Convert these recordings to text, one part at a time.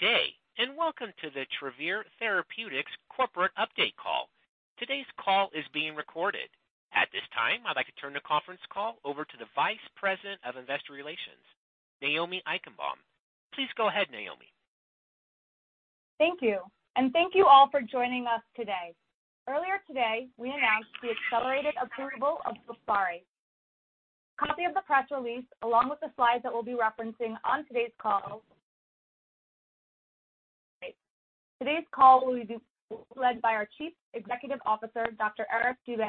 Good day, and welcome to the Travere Therapeutics Corporate Update Call. Today's call is being recorded. At this time, I'd like to turn the conference call over to the Vice President of Investor Relations, Naomi Eichenbaum. Please go ahead, Naomi. Thank you, thank you all for joining us today. Earlier today, we announced the accelerated approval of FILSPARI. A copy of the press release, along with the slides that we'll be referencing on today's call. Today's call will be led by our Chief Executive Officer, Dr. Eric Dube.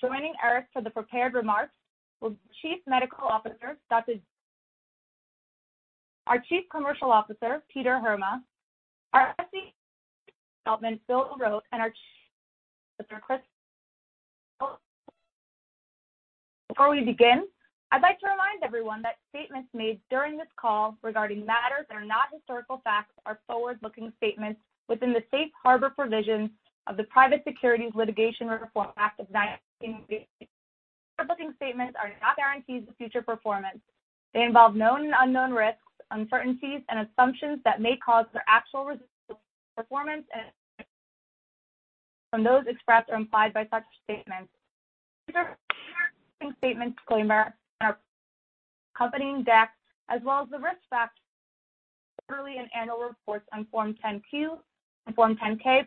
Joining Eric for the prepared remarks will be Chief Medical Officer, Dr.[Jula Inrig ]. Our Chief Commercial Officer, Peter Heerma, our Development, William Rote, and [audio ditortion] our Chris. Before we begin, I'd like to remind everyone that statements made during this call regarding matters that are not historical facts are forward-looking statements within the Safe Harbor provisions of the Private Securities Litigation Reform Act of [1995]. Forward-looking statements are not guarantees of future performance. They involve known and unknown risks, uncertainties and assumptions that may cause their actual performance and from those expressed or implied by such statements. These are statement disclaimer in our accompanying deck, as well as the risk factors quarterly and annual reports on Form 10-Q and Form 10-K.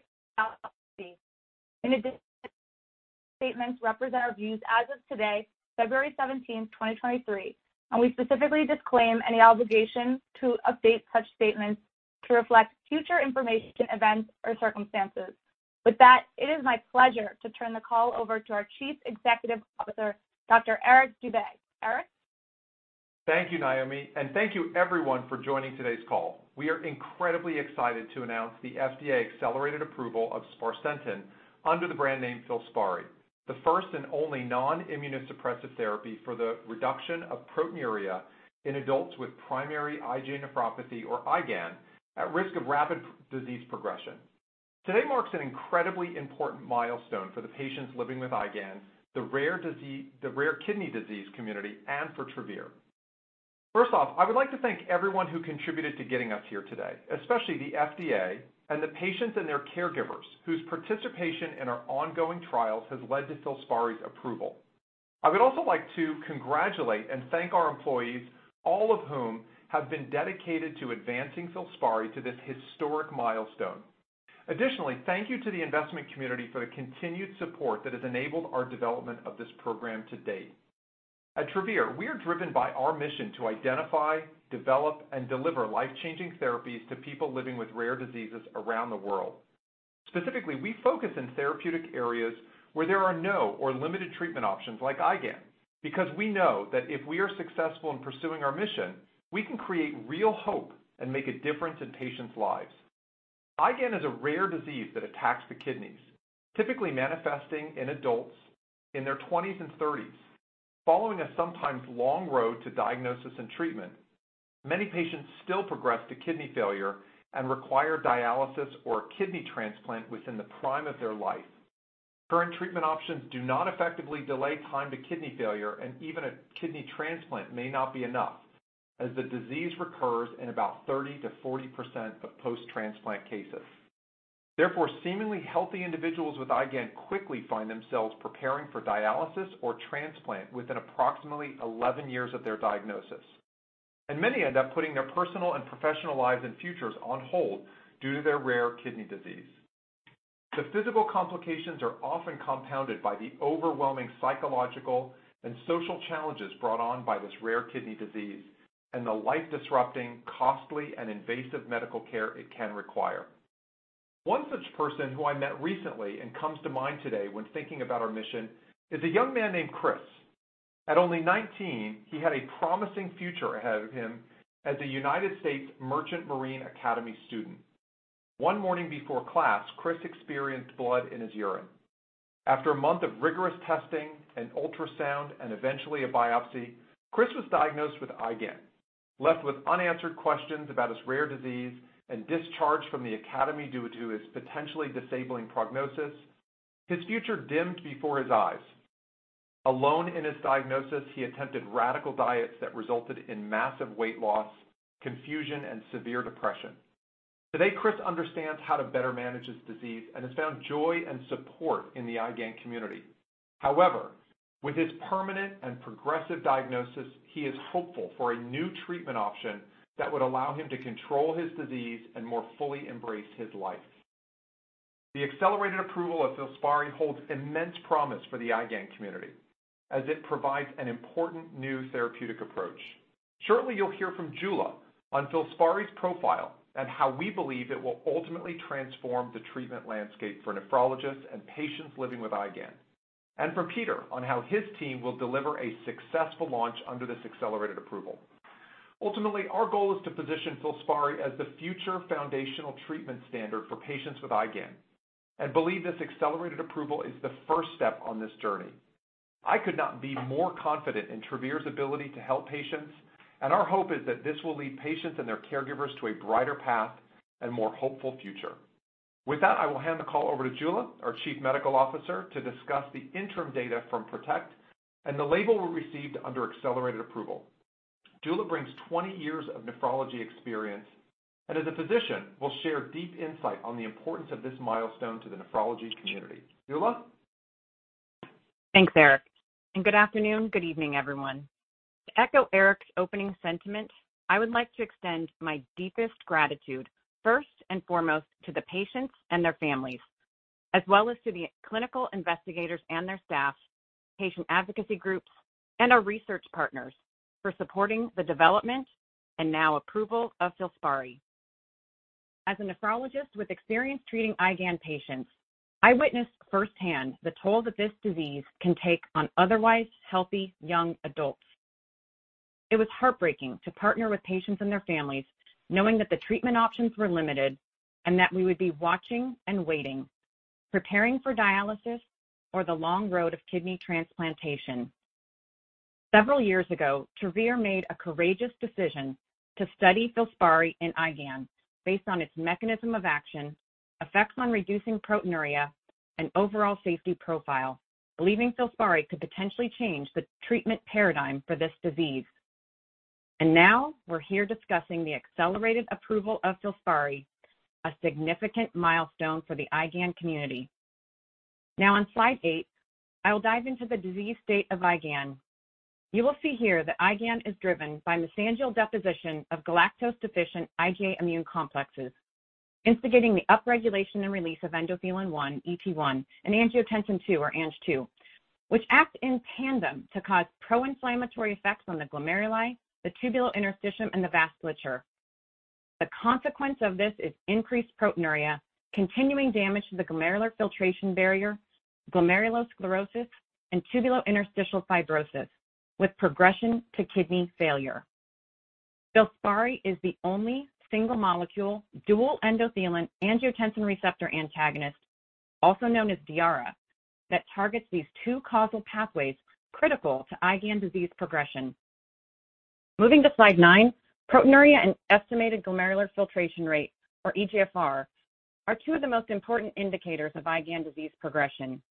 These statements represent our views as of today, February 17, 2023, and we specifically disclaim any obligation to update such statements to reflect future information, events, or circumstances. With that, it is my pleasure to turn the call over to our Chief Executive Officer, Dr. Eric Dube. Eric. Thank you, Naomi. Thank you everyone for joining today's call. We are incredibly excited to announce the FDA accelerated approval of sparsentan under the brand name FILSPARI, the first and only non-immunosuppressive therapy for the reduction of proteinuria in adults with primary IgA nephropathy, or IgAN, at risk of rapid disease progression. Today marks an incredibly important milestone for the patients living with IgAN, the rare kidney disease community, and for Travere. First off, I would like to thank everyone who contributed to getting us here today, especially the FDA and the patients and their caregivers whose participation in our ongoing trials has led to FILSPARI's approval. I would also like to congratulate and thank our employees, all of whom have been dedicated to advancing FILSPARI to this historic milestone. Additionally, thank you to the investment community for the continued support that has enabled our development of this program to date. At Travere, we are driven by our mission to identify, develop, and deliver life-changing therapies to people living with rare diseases around the world. Specifically, we focus in therapeutic areas where there are no or limited treatment options like IgAN, because we know that if we are successful in pursuing our mission, we can create real hope and make a difference in patients' lives. IgAN is a rare disease that attacks the kidneys, typically manifesting in adults in their twenties and thirties. Following a sometimes long road to diagnosis and treatment, many patients still progress to kidney failure and require dialysis or a kidney transplant within the prime of their life. Current treatment options do not effectively delay time to kidney failure, and even a kidney transplant may not be enough as the disease recurs in about 30%-40% of post-transplant cases. Seemingly healthy individuals with IgAN quickly find themselves preparing for dialysis or transplant within approximately 11 years of their diagnosis, and many end up putting their personal and professional lives and futures on hold due to their rare kidney disease. The physical complications are often compounded by the overwhelming psychological and social challenges brought on by this rare kidney disease and the life-disrupting, costly, and invasive medical care it can require. One such person who I met recently and comes to mind today when thinking about our mission is a young man named Chris. At only 19, he had a promising future ahead of him as a United States Merchant Marine Academy student. One morning before class, Chris experienced blood in his urine. After a month of rigorous testing, an ultrasound, and eventually a biopsy, Chris was diagnosed with IgAN. Left with unanswered questions about his rare disease and discharged from the Academy due to his potentially disabling prognosis, his future dimmed before his eyes. Alone in his diagnosis, he attempted radical diets that resulted in massive weight loss, confusion, and severe depression. Today, Chris understands how to better manage his disease and has found joy and support in the IgAN community. However, with his permanent and progressive diagnosis, he is hopeful for a new treatment option that would allow him to control his disease and more fully embrace his life. The accelerated approval of FILSPARI holds immense promise for the IgAN community as it provides an important new therapeutic approach. Shortly, you'll hear from Jula on FILSPARI's profile and how we believe it will ultimately transform the treatment landscape for nephrologists and patients living with IgAN, and from Peter on how his team will deliver a successful launch under this accelerated approval. Our goal is to position FILSPARI as the future foundational treatment standard for patients with IgAN and believe this accelerated approval is the first step on this journey. I could not be more confident in Travere's ability to help patients, and our hope is that this will lead patients and their caregivers to a brighter path and a more hopeful future. I will hand the call over to Jula, our Chief Medical Officer, to discuss the interim data from PROTECT and the label we received under accelerated approval. Jula brings 20 years of nephrology experience and as a physician, will share deep insight on the importance of this milestone to the nephrology community. Jula? Thanks, Eric, and good afternoon, good evening, everyone. To echo Eric's opening sentiment, I would like to extend my deepest gratitude first and foremost to the patients and their families, as well as to the clinical investigators and their staff, patient advocacy groups, and our research partners for supporting the development and now approval of FILSPARI. As a nephrologist with experience treating IgAN patients, I witnessed firsthand the toll that this disease can take on otherwise healthy young adults. It was heartbreaking to partner with patients and their families, knowing that the treatment options were limited and that we would be watching and waiting, preparing for dialysis or the long road of kidney transplantation. Several years ago, Travere made a courageous decision to study FILSPARI in IgAN based on its mechanism of action, effects on reducing proteinuria, and overall safety profile, believing FILSPARI could potentially change the treatment paradigm for this disease. Now we're here discussing the accelerated approval of FILSPARI, a significant milestone for the IgAN community. On slide eight, I will dive into the disease state of IgAN. You will see here that IgAN is driven by mesangial deposition of galactose-deficient IgA immune complexes, instigating the upregulation and release of endothelin-1, ET1, and angiotensin II, or Ang II, which act in tandem to cause proinflammatory effects on the glomeruli, the tubulointerstitium, and the vasculature. The consequence of this is increased proteinuria, continuing damage to the glomerular filtration barrier, glomerulosclerosis, and tubulointerstitial fibrosis with progression to kidney failure. FILSPARI is the only single molecule, dual endothelin angiotensin receptor antagonist, also known as DARA, that targets these two causal pathways critical to IgAN disease progression. Moving to slide nine, proteinuria and estimated glomerular filtration rate, or eGFR, are two of the most important indicators of IgAN disease progression.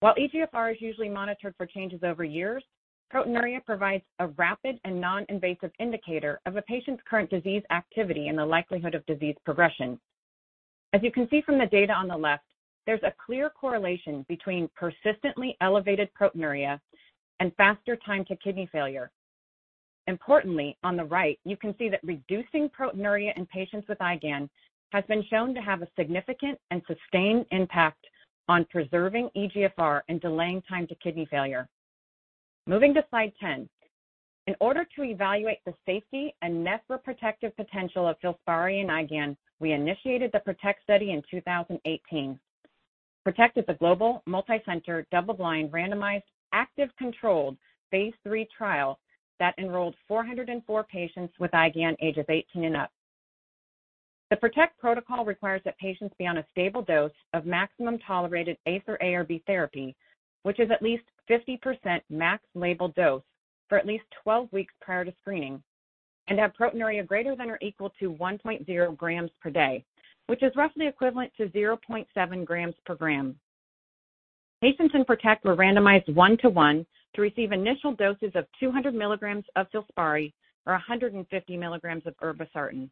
While eGFR is usually monitored for changes over years, proteinuria provides a rapid and non-invasive indicator of a patient's current disease activity and the likelihood of disease progression. As you can see from the data on the left, there's a clear correlation between persistently elevated proteinuria and faster time to kidney failure. Importantly, on the right, you can see that reducing proteinuria in patients with IgAN has been shown to have a significant and sustained impact on preserving eGFR and delaying time to kidney failure. Moving to slide 10. In order to evaluate the safety and nephroprotective potential of FILSPARI in IgAN, we initiated the PROTECT study in 2018. PROTECT is the global, multicenter, double-blind, randomized, active, controlled, phase III trial that enrolled 404 patients with IgAN age of 18 and up. The PROTECT protocol requires that patients be on a stable dose of maximum tolerated ACE or ARB therapy, which is at least 50% max labeled dose for at least 12 weeks prior to screening and have proteinuria greater than or equal to 1.0 grams per day, which is roughly equivalent to 0.7 grams per gram. Patients in PROTECT were randomized one-to-one to receive initial doses of 200mg of FILSPARI or 150mg of irbesartan.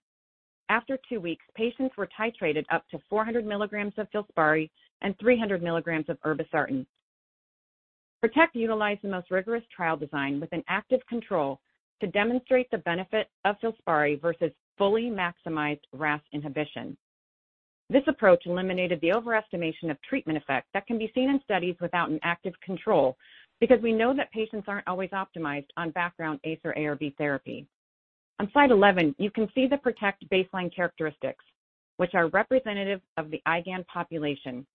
After two weeks, patients were titrated up to 400mg of FILSPARI and 300mg of irbesartan. PROTECT utilized the most rigorous trial design with an active control to demonstrate the benefit of FILSPARI versus fully maximized RAS inhibition. This approach eliminated the overestimation of treatment effects that can be seen in studies without an active control because we know that patients aren't always optimized on background ACE or ARB therapy. On slide 11, you can see the PROTECT baseline characteristics, which are representative of the IgAN population.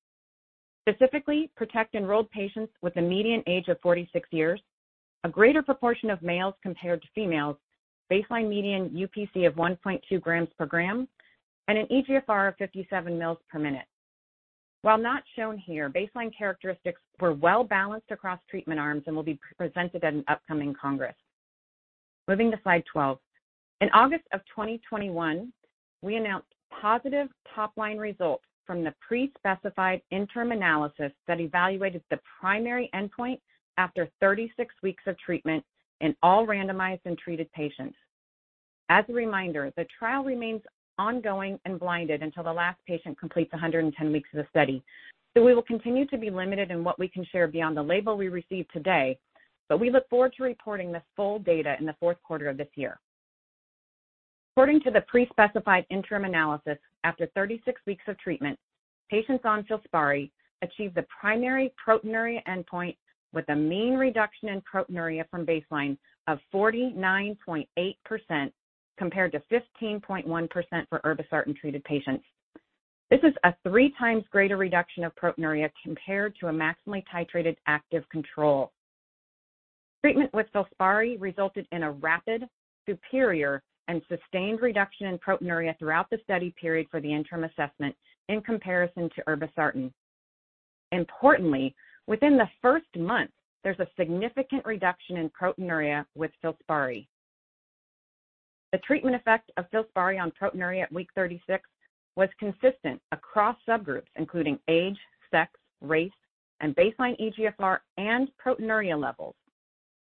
Specifically, PROTECT enrolled patients with a median age of 46 years, a greater proportion of males compared to females, baseline median UPCR of 1.2g per gram, and an eGFR of 57 mils per minute. While not shown here, baseline characteristics were well-balanced across treatment arms and will be presented at an upcoming congress. Moving to slide 12. In August of 2021, we announced positive top-line results from the pre-specified interim analysis that evaluated the primary endpoint after 36 weeks of treatment in all randomized and treated patients. As a reminder, the trial remains ongoing and blinded until the last patient completes 110 weeks of the study. We will continue to be limited in what we can share beyond the label we received today, but we look forward to reporting this full data in the fourth quarter of this year. According to the pre-specified interim analysis, after 36 weeks of treatment, patients on FILSPARI achieved the primary proteinuria endpoint with a mean reduction in proteinuria from baseline of 49.8% compared to 15.1% for irbesartan-treated patients. This is a 3x greater reduction of proteinuria compared to a maximally titrated active control. Treatment with FILSPARI resulted in a rapid, superior, and sustained reduction in proteinuria throughout the study period for the interim assessment in comparison to irbesartan. Importantly, within the first month, there's a significant reduction in proteinuria with FILSPARI. The treatment effect of FILSPARI on proteinuria at week 36 was consistent across subgroups, including age, sex, race, and baseline eGFR and proteinuria levels,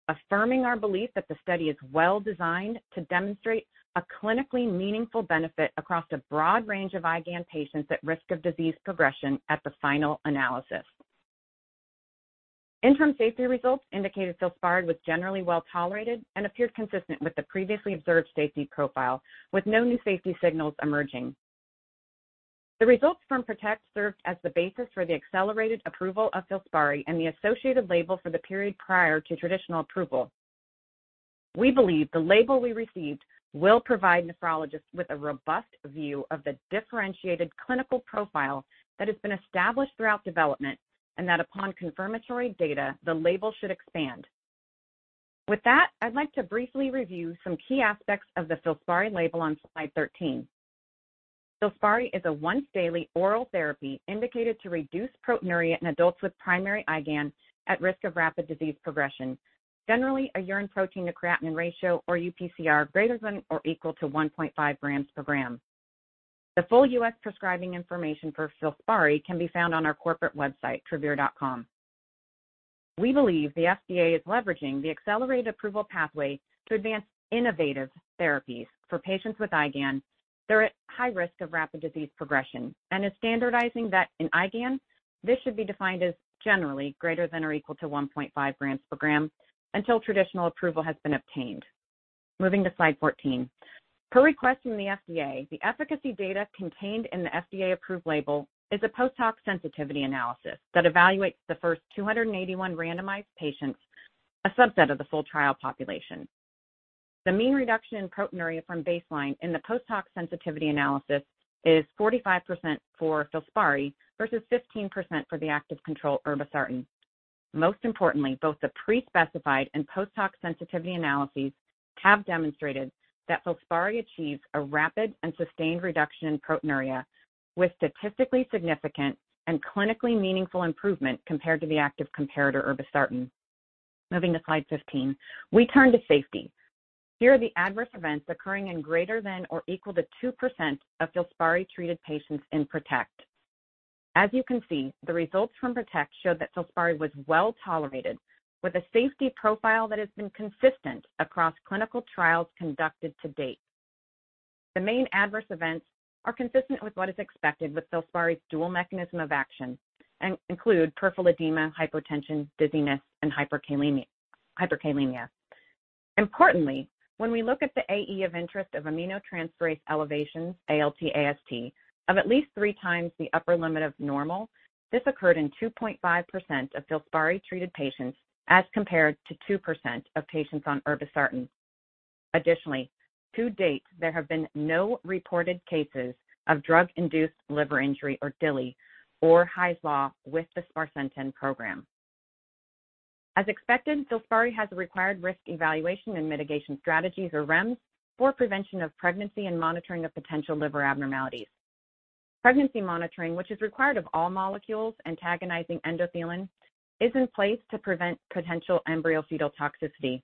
affirming our belief that the study is well-designed to demonstrate a clinically meaningful benefit across a broad range of IgAN patients at risk of disease progression at the final analysis. Interim safety results indicated FILSPARI was generally well-tolerated and appeared consistent with the previously observed safety profile, with no new safety signals emerging. The results from PROTECT served as the basis for the accelerated approval of FILSPARI and the associated label for the period prior to traditional approval. We believe the label we received will provide nephrologists with a robust view of the differentiated clinical profile that has been established throughout development and that upon confirmatory data, the label should expand. With that, I'd like to briefly review some key aspects of the FILSPARI label on slide 13. FILSPARI is a once-daily oral therapy indicated to reduce proteinuria in adults with primary IgAN at risk of rapid disease progression. Generally, a urine protein-to-creatinine ratio or UPCR greater than or equal to 1.5 grams per gram. The full U.S. Prescribing information for FILSPARI can be found on our corporate website, travere.com. We believe the FDA is leveraging the accelerated approval pathway to advance innovative therapies for patients with IgAN that are at high risk of rapid disease progression and is standardizing that in IgAN. This should be defined as generally greater than or equal to 1.5 grams per gram until traditional approval has been obtained. Moving to slide 14. Per request from the FDA, the efficacy data contained in the FDA-approved label is a post hoc sensitivity analysis that evaluates the first 281 randomized patients, a subset of the full trial population. The mean reduction in proteinuria from baseline in the post hoc sensitivity analysis is 45% for FILSPARI versus 15% for the active control, irbesartan. Most importantly, both the pre-specified and post hoc sensitivity analyses have demonstrated that FILSPARI achieves a rapid and sustained reduction in proteinuria with statistically significant and clinically meaningful improvement compared to the active comparator, irbesartan. Moving to slide 15. We turn to safety. Here are the adverse events occurring in greater than or equal to 2% of FILSPARI-treated patients in PROTECT. As you can see, the results from PROTECT showed that FILSPARI was well-tolerated with a safety profile that has been consistent across clinical trials conducted to date. The main adverse events are consistent with what is expected with FILSPARI's dual mechanism of action and include peripheral edema, hypotension, dizziness, and hyperkalemia. Importantly, when we look at the AE of interest of aminotransferase elevations, ALT/AST, of at least 3x the upper limit of normal, this occurred in 2.5% of FILSPARI-treated patients as compared to 2% of patients on irbesartan. Additionally, to date, there have been no reported cases of drug-induced liver injury or DILI or Hy's Law with the Sparsentan program. As expected, FILSPARI has the required Risk Evaluation and Mitigation Strategies, or REMS, for prevention of pregnancy and monitoring of potential liver abnormalities. Pregnancy monitoring, which is required of all molecules antagonizing endothelin, is in place to prevent potential embryo-fetal toxicity.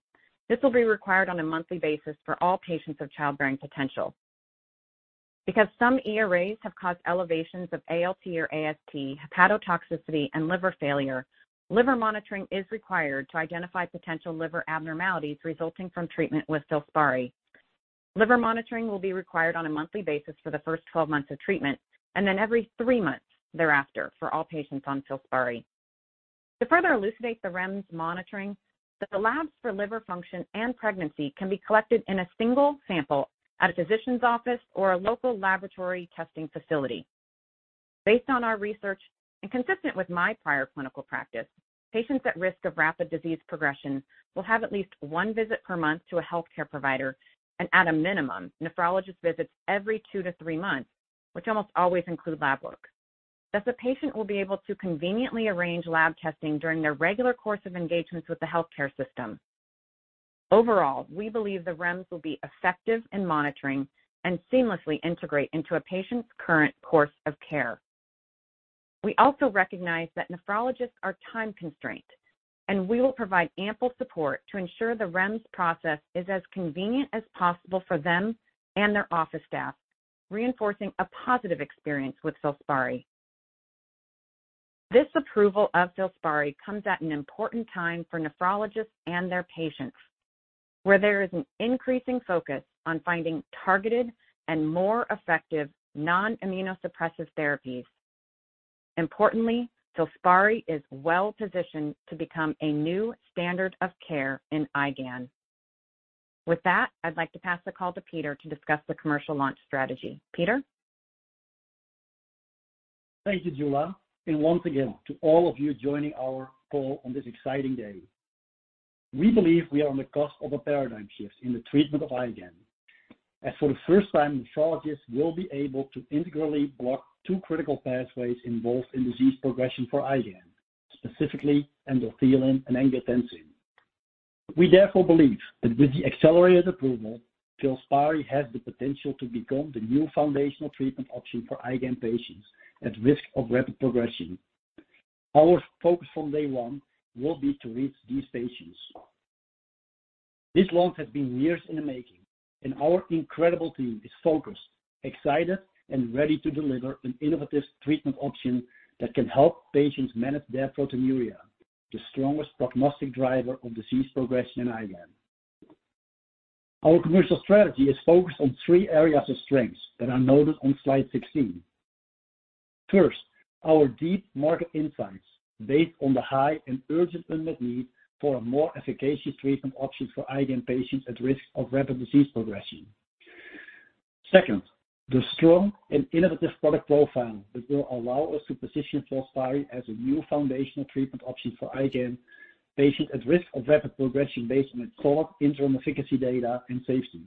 This will be required on a monthly basis for all patients of childbearing potential. Because some ERAs have caused elevations of ALT/AST hepatotoxicity and liver failure, liver monitoring is required to identify potential liver abnormalities resulting from treatment with FILSPARI. Liver monitoring will be required on a monthly basis for the first 12 months of treatment and then every three months thereafter for all patients on FILSPARI. To further elucidate the REMS monitoring, the labs for liver function and pregnancy can be collected in a single sample at a physician's office or a local laboratory testing facility. Based on our research and consistent with my prior clinical practice, patients at risk of rapid disease progression will have at least one visit per month to a healthcare provider and at a minimum, nephrologist visits every 2-3 months, which almost always include lab work. A patient will be able to conveniently arrange lab testing during their regular course of engagements with the healthcare system. We believe the REMS will be effective in monitoring and seamlessly integrate into a patient's current course of care. We also recognize that nephrologists are time-constrained, and we will provide ample support to ensure the REMS process is as convenient as possible for them and their office staff, reinforcing a positive experience with FILSPARI. This approval of FILSPARI comes at an important time for nephrologists and their patients, where there is an increasing focus on finding targeted and more effective non-immunosuppressive therapies. Importantly, FILSPARI is well-positioned to become a new standard of care in IgAN. With that, I'd like to pass the call to Peter to discuss the commercial launch strategy. Peter? Thank you, Jula. Once again to all of you joining our call on this exciting day. We believe we are on the cusp of a paradigm shift in the treatment of IgAN as for the first time, nephrologists will be able to integrally block two critical pathways involved in disease progression for IgAN, specifically endothelin and angiotensin. We therefore believe that with the accelerated approval, FILSPARI has the potential to become the new foundational treatment option for IgAN patients at risk of rapid progression. Our focus from day one will be to reach these patients. This launch has been years in the making, and our incredible team is focused, excited, and ready to deliver an innovative treatment option that can help patients manage their proteinuria, the strongest prognostic driver of disease progression in IgAN. Our commercial strategy is focused on three areas of strengths that are noted on slide 16. First, our deep market insights, based on the high and urgent unmet need for a more efficacious treatment option for IgAN patients at risk of rapid disease progression. Second, the strong and innovative product profile that will allow us to position FILSPARI as a new foundational treatment option for IgAN patients at risk of rapid progression based on its solid interim efficacy data and safety.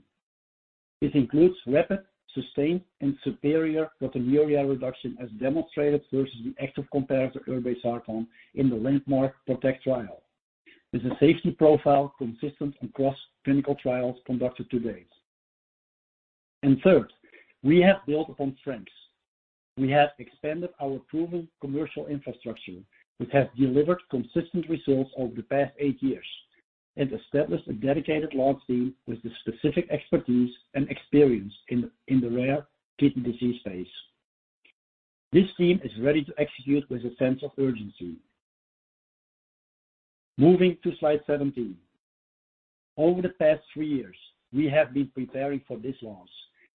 This includes rapid, sustained, and superior proteinuria reduction as demonstrated versus the active comparator, irbesartan, in the landmark PROTECT trial, with a safety profile consistent across clinical trials conducted to date. Third, we have built upon strengths. We have expanded our proven commercial infrastructure, which has delivered consistent results over the past eight years, and established a dedicated launch team with the specific expertise and experience in the rare kidney disease space. This team is ready to execute with a sense of urgency. Moving to slide 17. Over the past three years, we have been preparing for this launch.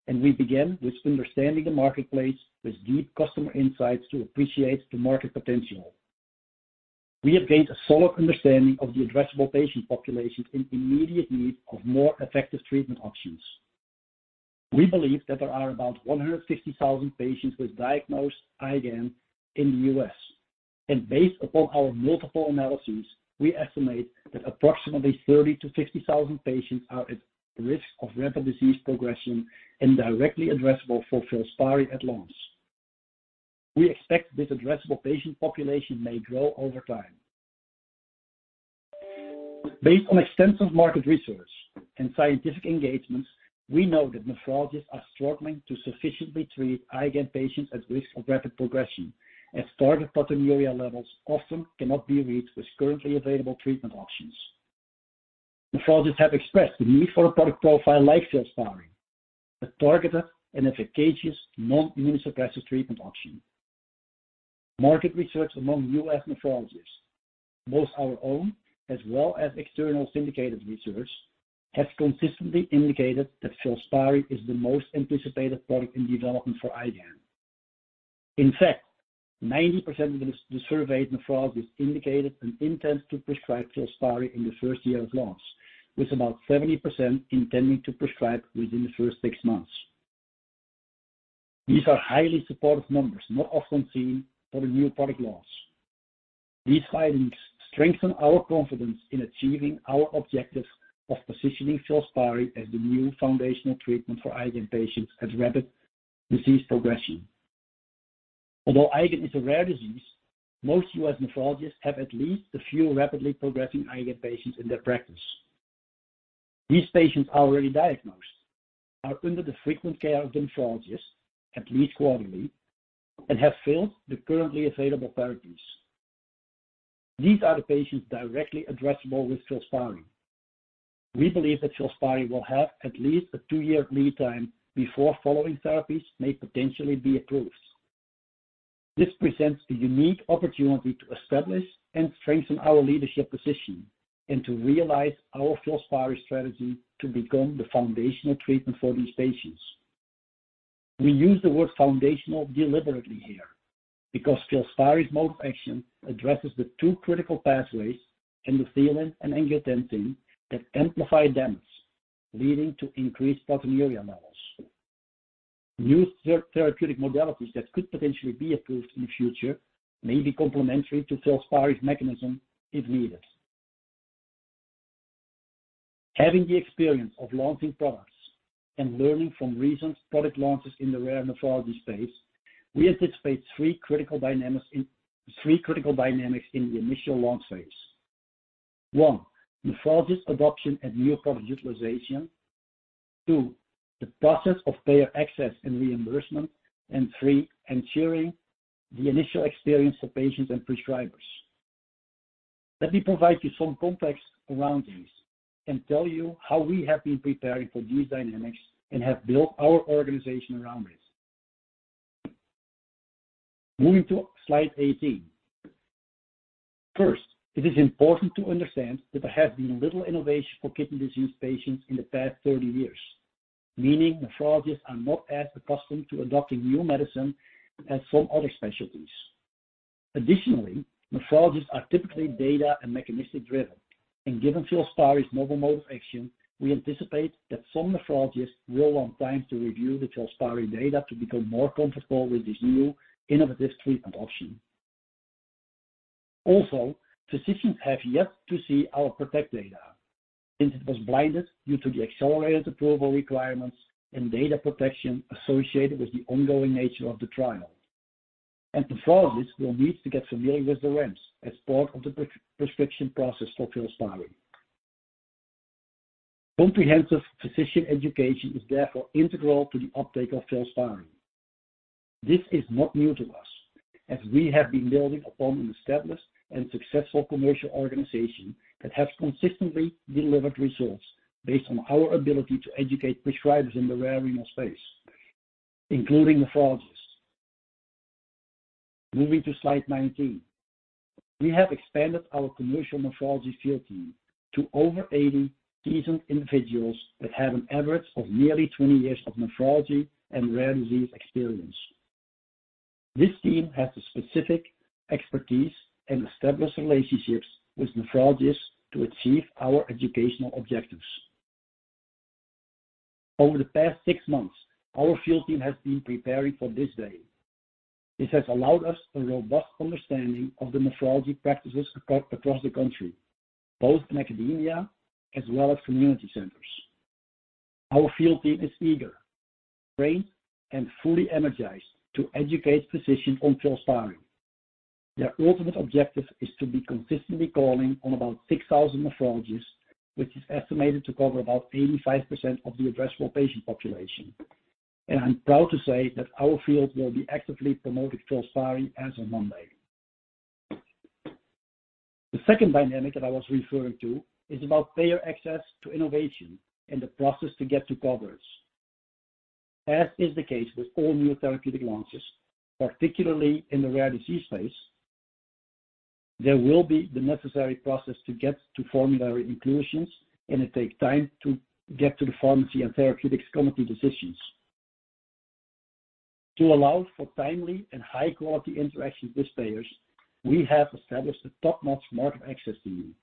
We began with understanding the marketplace with deep customer insights to appreciate the market potential. We have gained a solid understanding of the addressable patient population in immediate need of more effective treatment options. We believe that there are about 150,000 patients with diagnosed IgAN in the U.S.. Based upon our multiple analyses, we estimate that approximately 30,000-50,000 patients are at risk of rapid disease progression and directly addressable for FILSPARI at launch. We expect this addressable patient population may grow over time. Based on extensive market research and scientific engagements, we know that nephrologists are struggling to sufficiently treat IgAN patients at risk of rapid progression, as target proteinuria levels often cannot be reached with currently available treatment options. Nephrologists have expressed the need for a product profile like FILSPARI, a targeted and efficacious non-immunosuppressive treatment option. Market research among U.S. Nephrologists, both our own as well as external syndicated research, have consistently indicated that FILSPARI is the most anticipated product in development for IgAN. 90% of the surveyed nephrologists indicated an intent to prescribe FILSPARI in the first year's launch, with about 70% intending to prescribe within the first six months. These are highly supportive numbers, not often seen for a new product launch. These findings strengthen our confidence in achieving our objective of positioning FILSPARI as the new foundational treatment for IgAN patients at rapid disease progression. IgAN is a rare disease, most US nephrologists have at least a few rapidly progressing IgAN patients in their practice. These patients are already diagnosed, are under the frequent care of nephrologists at least quarterly, and have failed the currently available therapies. These are the patients directly addressable with FILSPARI. We believe that FILSPARI will have at least a two-year lead time before following therapies may potentially be approved. This presents the unique opportunity to establish and strengthen our leadership position and to realize our FILSPARI strategy to become the foundational treatment for these patients. We use the word foundational deliberately here because FILSPARI's mode of action addresses the two critical pathways, endothelin and angiotensin, that amplify damage, leading to increased proteinuria levels. New therapeutic modalities that could potentially be approved in the future may be complementary to FILSPARI's mechanism if needed. Having the experience of launching products and learning from recent product launches in the rare nephrology space, we anticipate three critical dynamics in the initial launch phase. One, nephrologist adoption and new product utilization. Two, the process of payer access and reimbursement. Three, ensuring the initial experience of patients and prescribers. Let me provide you some context around these and tell you how we have been preparing for these dynamics and have built our organization around this. Moving to slide 18. First, it is important to understand that there has been little innovation for kidney disease patients in the past 30 years, meaning nephrologists are not as accustomed to adopting new medicine as some other specialties. Additionally, nephrologists are typically data and mechanistic-driven, and given FILSPARI's novel mode of action, we anticipate that some nephrologists will want time to review the FILSPARI data to become more comfortable with this new innovative treatment option. Physicians have yet to see our PROTECT data since it was blinded due to the accelerated approval requirements and data protection associated with the ongoing nature of the trial. Nephrologists will need to get familiar with the risk as part of the pre-prescription process for FILSPARI. Comprehensive physician education is therefore integral to the uptake of FILSPARI. This is not new to us, as we have been building upon an established and successful commercial organization that has consistently delivered results based on our ability to educate prescribers in the rare renal space, including nephrologists. Moving to slide 19. We have expanded our commercial nephrology field team to over 80 seasoned individuals that have an average of nearly 20 years of nephrology and rare disease experience. This team has the specific expertise and established relationships with nephrologists to achieve our educational objectives. Over the past six months, our field team has been preparing for this day. This has allowed us a robust understanding of the nephrology practices across the country, both in academia as well as community centers. Our field team is eager, trained, and fully energized to educate physicians on FILSPARI. Their ultimate objective is to be consistently calling on about 6,000 nephrologists, which is estimated to cover about 85% of the addressable patient population. I'm proud to say that our field will be actively promoting FILSPARI as of Monday. The second dynamic that I was referring to is about payer access to innovation and the process to get to coverage. As is the case with all new therapeutic launches, particularly in the rare disease space, there will be the necessary process to get to formulary inclusions. It takes time to get to the pharmacy and therapeutics committee decisions. To allow for timely and high-quality interactions with payers, we have established a top-notch market access team.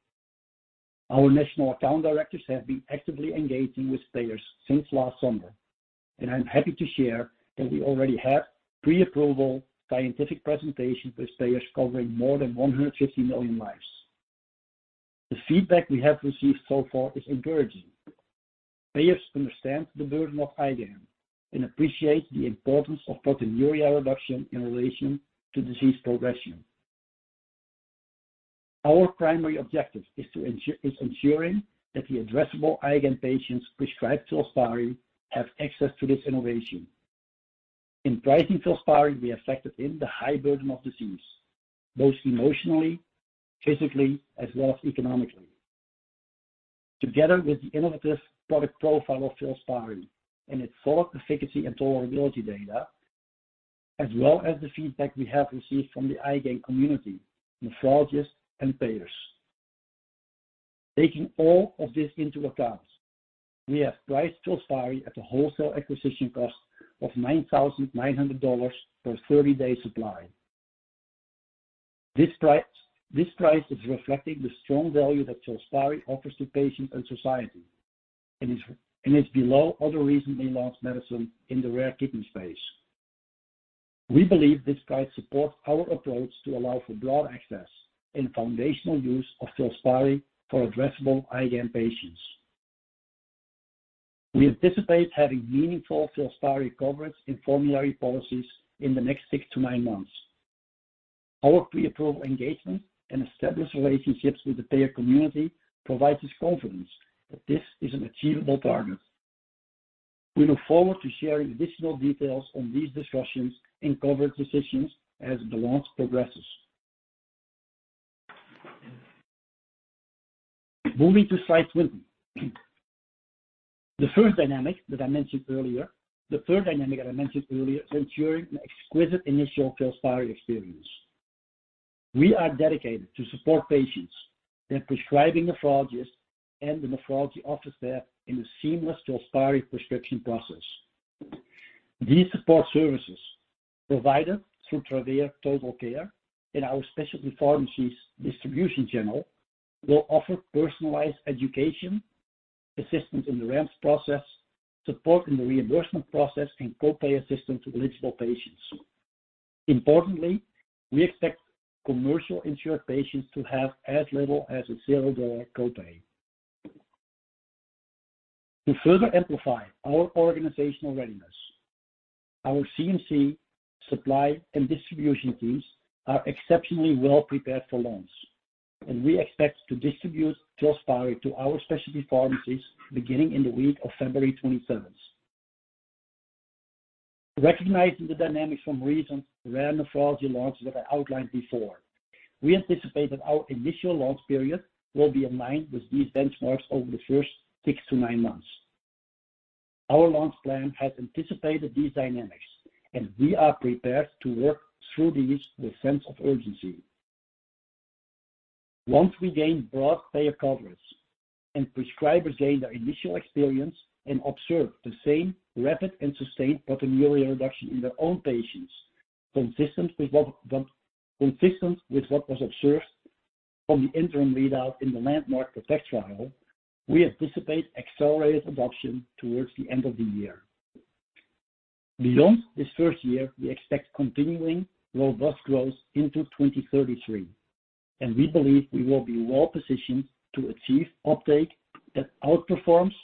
Our national account directors have been actively engaging with payers since last summer. I'm happy to share that we already have pre-approval scientific presentations with payers covering more than 150 million lives. The feedback we have received so far is encouraging. Payers understand the burden of IgAN and appreciate the importance of proteinuria reduction in relation to disease progression. Our primary objective is ensuring that the addressable IgAN patients prescribed FILSPARI have access to this innovation. In pricing FILSPARI, we have factored in the high burden of disease, both emotionally, physically, as well as economically. Together with the innovative product profile of FILSPARI and its full efficacy and tolerability data, as well as the feedback we have received from the IgAN community, nephrologists and payers. Taking all of this into account, we have priced FILSPARI at a wholesale acquisition cost of $9,900 per 30-day supply. This price is reflecting the strong value that FILSPARI offers to patients and society and is below other recently launched medicine in the rare kidney space. We believe this price supports our approach to allow for broad access and foundational use of FILSPARI for addressable IgAN patients. We anticipate having meaningful FILSPARI coverage in formulary policies in the next 6-9 months. Our pre-approved engagement and established relationships with the payer community provides us confidence that this is an achievable target. We look forward to sharing additional details on these discussions and coverage decisions as the launch progresses. Moving to slide 20. The third dynamic that I mentioned earlier is ensuring an exquisite initial FILSPARI experience. We are dedicated to support patients, their prescribing nephrologists, and the nephrology office there in the seamless FILSPARI prescription process. These support services, provided through Travere TotalCare and our specialty pharmacies distribution channel, will offer personalized education, assistance in the REMS process, support in the reimbursement process, and co-pay assistance to eligible patients. Importantly, we expect commercial-insured patients to have as little as a zero-dollar co-pay. To further amplify our organizational readiness, our CMC supply and distribution teams are exceptionally well-prepared for launch, and we expect to distribute FILSPARI to our specialty pharmacies beginning in the week of February 27th. Recognizing the dynamics from recent rare nephrology launches that I outlined before, we anticipate that our initial launch period will be in line with these benchmarks over the first 6-9 months. Our launch plan has anticipated these dynamics, and we are prepared to work through these with a sense of urgency. Once we gain broad payer coverage and prescribers gain their initial experience and observe the same rapid and sustained proteinuria reduction in their own patients, consistent with what was observed from the interim readout in the landmark PROTECT trial, we anticipate accelerated adoption towards the end of the year. Beyond this first year, we expect continuing robust growth into 2033, and we believe we will be well-positioned to achieve uptake that outperforms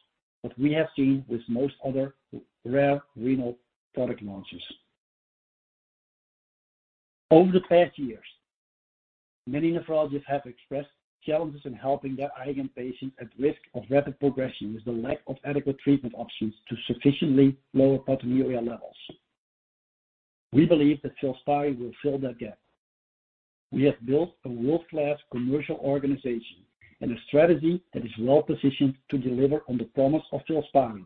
what we have seen with most other rare renal product launches. Over the past years, many nephrologists have expressed challenges in helping their IgAN patients at risk of rapid progression with the lack of adequate treatment options to sufficiently lower proteinuria levels. We believe that FILSPARI will fill that gap. We have built a world-class commercial organization and a strategy that is well-positioned to deliver on the promise of FILSPARI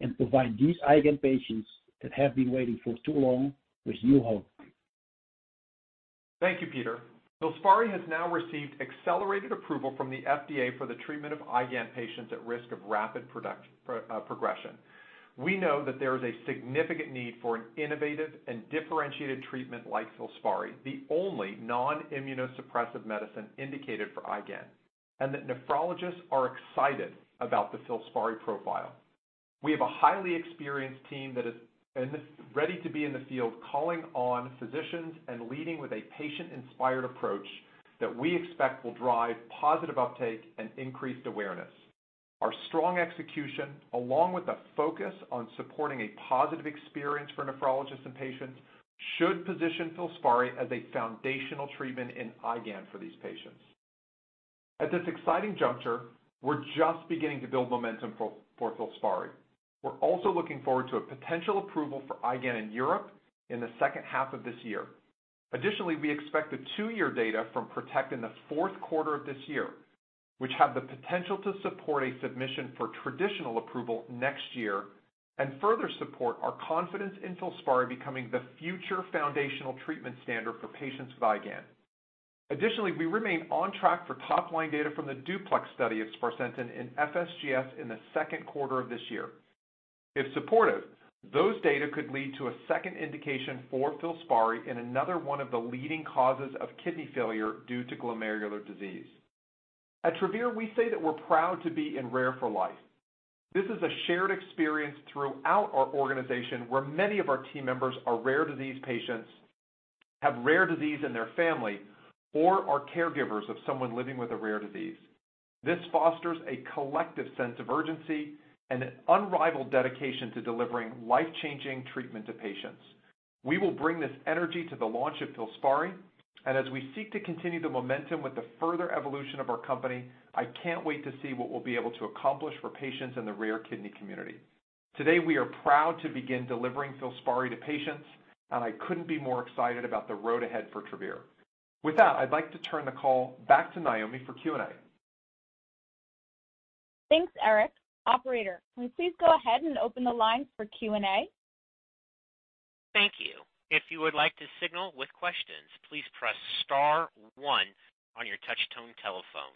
and provide these IgAN patients that have been waiting for too long with new hope. Thank you, Peter. FILSPARI has now received accelerated approval from the FDA for the treatment of IgAN patients at risk of rapid progression. We know that there is a significant need for an innovative and differentiated treatment like FILSPARI, the only non-immunosuppressive medicine indicated for IgAN, and that nephrologists are excited about the FILSPARI profile. We have a highly experienced team that is ready to be in the field, calling on physicians and leading with a patient-inspired approach that we expect will drive positive uptake and increased awareness. Our strong execution, along with a focus on supporting a positive experience for nephrologists and patients, should position FILSPARI as a foundational treatment in IgAN for these patients. At this exciting juncture, we're just beginning to build momentum for FILSPARI. We're also looking forward to a potential approval for IgAN in Europe in the second half of this year. Additionally, we expect the two-year data from PROTECT in the fourth quarter of this year, which have the potential to support a submission for traditional approval next year and further support our confidence in FILSPARI becoming the future foundational treatment standard for patients with IgAN. Additionally, we remain on track for top-line data from the DUPLEX study of sparsentan in FSGS in the second quarter of this year. If supportive, those data could lead to a second indication for FILSPARI in another one of the leading causes of kidney failure due to glomerular disease. At Travere, we say that we're proud to be in rare for life. This is a shared experience throughout our organization, where many of our team members are rare disease patients, have rare disease in their family, or are caregivers of someone living with a rare disease. This fosters a collective sense of urgency and an unrivaled dedication to delivering life-changing treatment to patients. We will bring this energy to the launch of FILSPARI. As we seek to continue the momentum with the further evolution of our company, I can't wait to see what we'll be able to accomplish for patients in the rare kidney community. Today, we are proud to begin delivering FILSPARI to patients, and I couldn't be more excited about the road ahead for Travere. With that, I'd like to turn the call back to Naomi for Q&A. Thanks, Eric. Operator, can you please go ahead and open the line for Q&A? Thank you. If you would like to signal with questions, please press star one on your touch-tone telephone.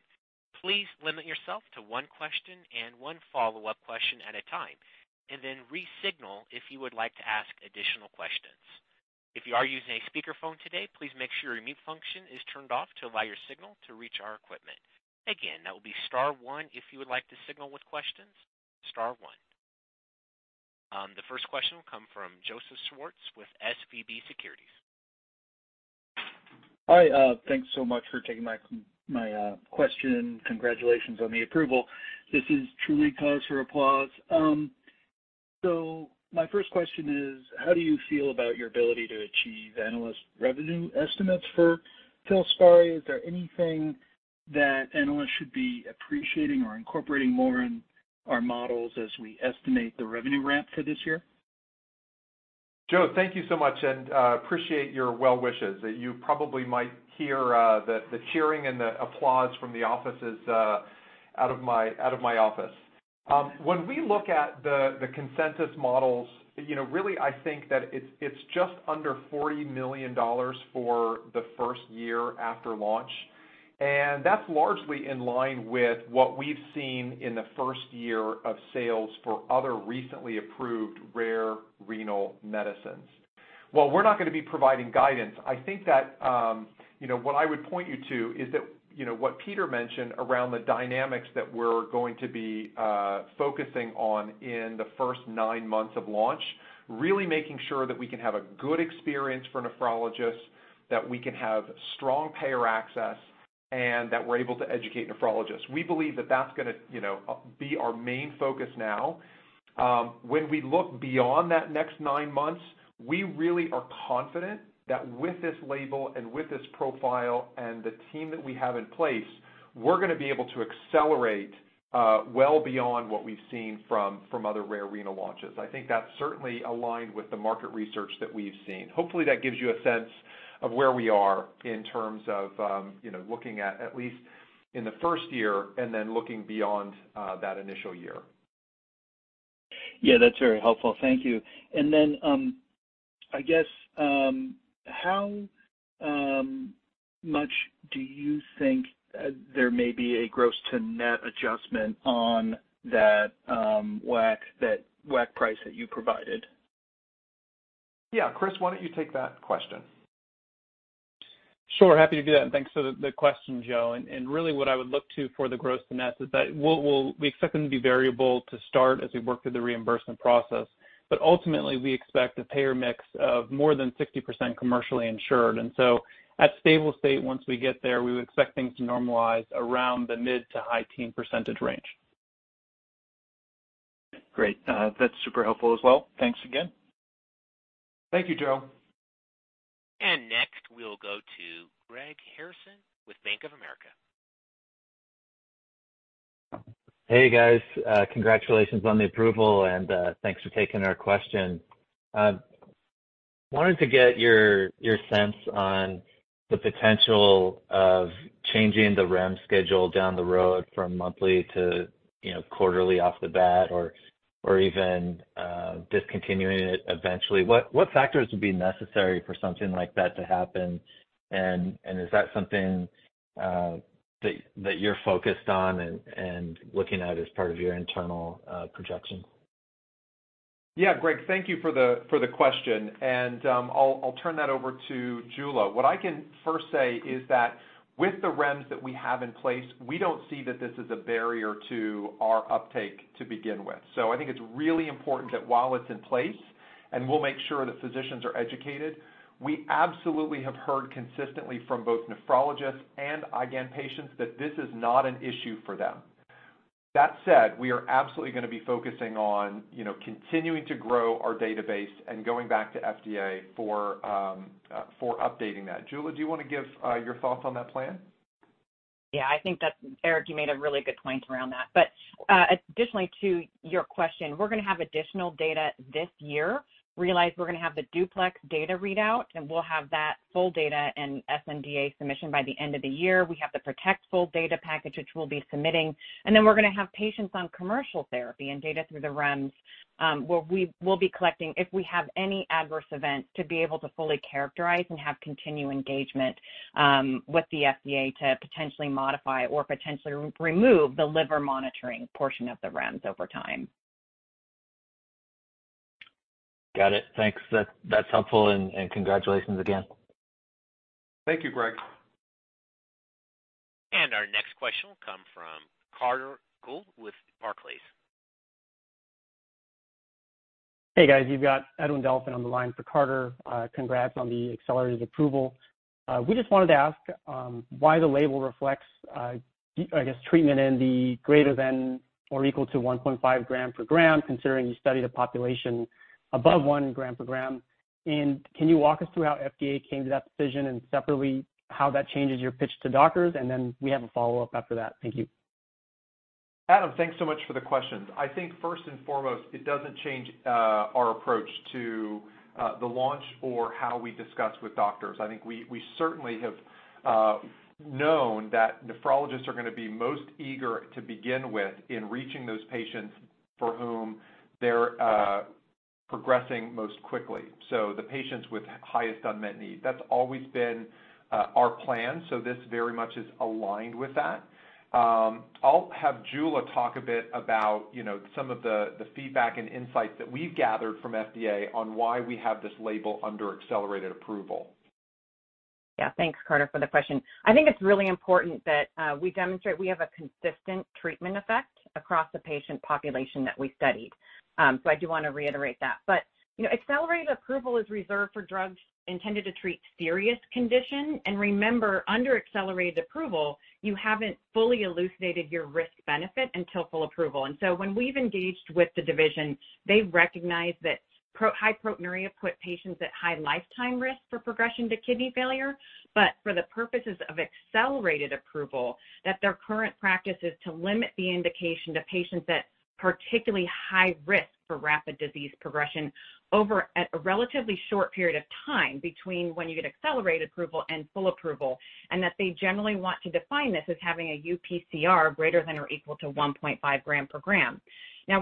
Please limit yourself to one question and one follow-up question at a time, and then re-signal if you would like to ask additional questions. If you are using a speakerphone today, please make sure your mute function is turned off to allow your signal to reach our equipment. Again, that will be star one if you would like to signal with questions, star one. The first question will come from Joseph Schwartz with SVB Securities. Hi, thanks so much for taking my question. Congratulations on the approval. This is truly cause for applause. My first question is, how do you feel about your ability to achieve analyst revenue estimates for FILSPARI? Is there anything that analysts should be appreciating or incorporating more in our models as we estimate the revenue ramp for this year? Joe, thank you so much, and appreciate your well wishes. You probably might hear the cheering and the applause from the offices out of my office. When we look at the consensus models, you know, really, I think that it's just under $40 million for the first year after launch. That's largely in line with what we've seen in the first year of sales for other recently approved rare renal medicines. While we're not gonna be providing guidance, I think that, you know, what I would point you to is that, you know, what Peter mentioned around the dynamics that we're going to be focusing on in the first nine months of launch, really making sure that we can have a good experience for nephrologists, that we can have strong payer access and that we're able to educate nephrologists. We believe that that's gonna, you know, be our main focus now. When we look beyond that next nine months, we really are confident that with this label and with this profile and the team that we have in place, we're gonna be able to accelerate well beyond what we've seen from other rare renal launches. I think that's certainly aligned with the market research that we've seen. Hopefully, that gives you a sense of where we are in terms of, you know, looking at at least in the first year and then looking beyond that initial year. Yeah, that's very helpful. Thank you. I guess, how much do you think there may be a gross to net adjustment on that WAC, that WAC price that you provided? Yeah. Chris, why don't you take that question? Sure. Happy to do that. Thanks for the question, Joe. Really what I would look to for the gross to net is that we expect them to be variable to start as we work through the reimbursement process. Ultimately, we expect a payer mix of more than 60% commercially insured. At stable state, once we get there, we would expect things to normalize around the mid to high teen percentage range. Great. That's super helpful as well. Thanks again. Thank you, Joe. Next, we'll go to Greg Harrison with Bank of America. Hey, guys. Congratulations on the approval, and, thanks for taking our question. Wanted to get your sense on the potential of changing the REMS schedule down the road from monthly to, you know, quarterly off the bat or even, discontinuing it eventually. What factors would be necessary for something like that to happen? Is that something that you're focused on and looking at as part of your internal projections? Yeah, Greg, thank you for the question. I'll turn that over to Jula. What I can first say is that with the REMS that we have in place, we don't see that this is a barrier to our uptake to begin with. I think it's really important that while it's in place, and we'll make sure the physicians are educated, we absolutely have heard consistently from both nephrologists and IgAN patients that this is not an issue for them. We are absolutely gonna be focusing on, you know, continuing to grow our database and going back to FDA for updating that. Jula, do you wanna give your thoughts on that plan? Yeah, I think that, Eric, you made a really good point around that. Additionally to your question, we're gonna have additional data this year. Realize we're gonna have the DUPLEX data readout, and we'll have that full data and sNDA submission by the end of the year. We have the PROTECT full data package, which we'll be submitting. We're gonna have patients on commercial therapy and data through the REMS, where we will be collecting, if we have any adverse events, to be able to fully characterize and have continued engagement with the FDA to potentially modify or potentially remove the liver monitoring portion of the REMS over time. Got it. Thanks. That's helpful, and congratulations again. Thank you, Greg. Our next question will come from Carter Gould with Barclays. Hey, guys. You've got Edwin Delfin on the line for Carter. Congrats on the accelerated approval. We just wanted to ask, why the label reflects treatment in the greater than or equal to 1.5 grams per gram, considering you studied a population above 1g per gram. Can you walk us through how FDA came to that decision and separately, how that changes your pitch to doctors? Then we have a follow-up after that. Thank you. Edwin, thanks so much for the questions. I think first and foremost, it doesn't change our approach to the launch or how we discuss with doctors. I think we certainly have known that nephrologists are gonna be most eager to begin with in reaching those patients for whom they're progressing most quickly. The patients with highest unmet need. That's always been our plan, so this very much is aligned with that. I'll have Jula talk a bit about, you know, some of the feedback and insights that we've gathered from FDA on why we have this label under accelerated approval. Yeah. Thanks, Carter, for the question. I think it's really important that we demonstrate we have a consistent treatment effect across the patient population that we studied. I do wanna reiterate that. You know, accelerated approval is reserved for drugs intended to treat serious condition. Remember, under accelerated approval, you haven't fully elucidated your risk benefit until full approval. When we've engaged with the division, they've recognized that high proteinuria put patients at high lifetime risk for progression to kidney failure, but for the purposes of accelerated approval, that their current practice is to limit the indication to patients at particularly high risk for rapid disease progression over a relatively short period of time between when you get accelerated approval and full approval, and that they generally want to define this as having a UPCR greater than or equal to 1.5 grams per gram.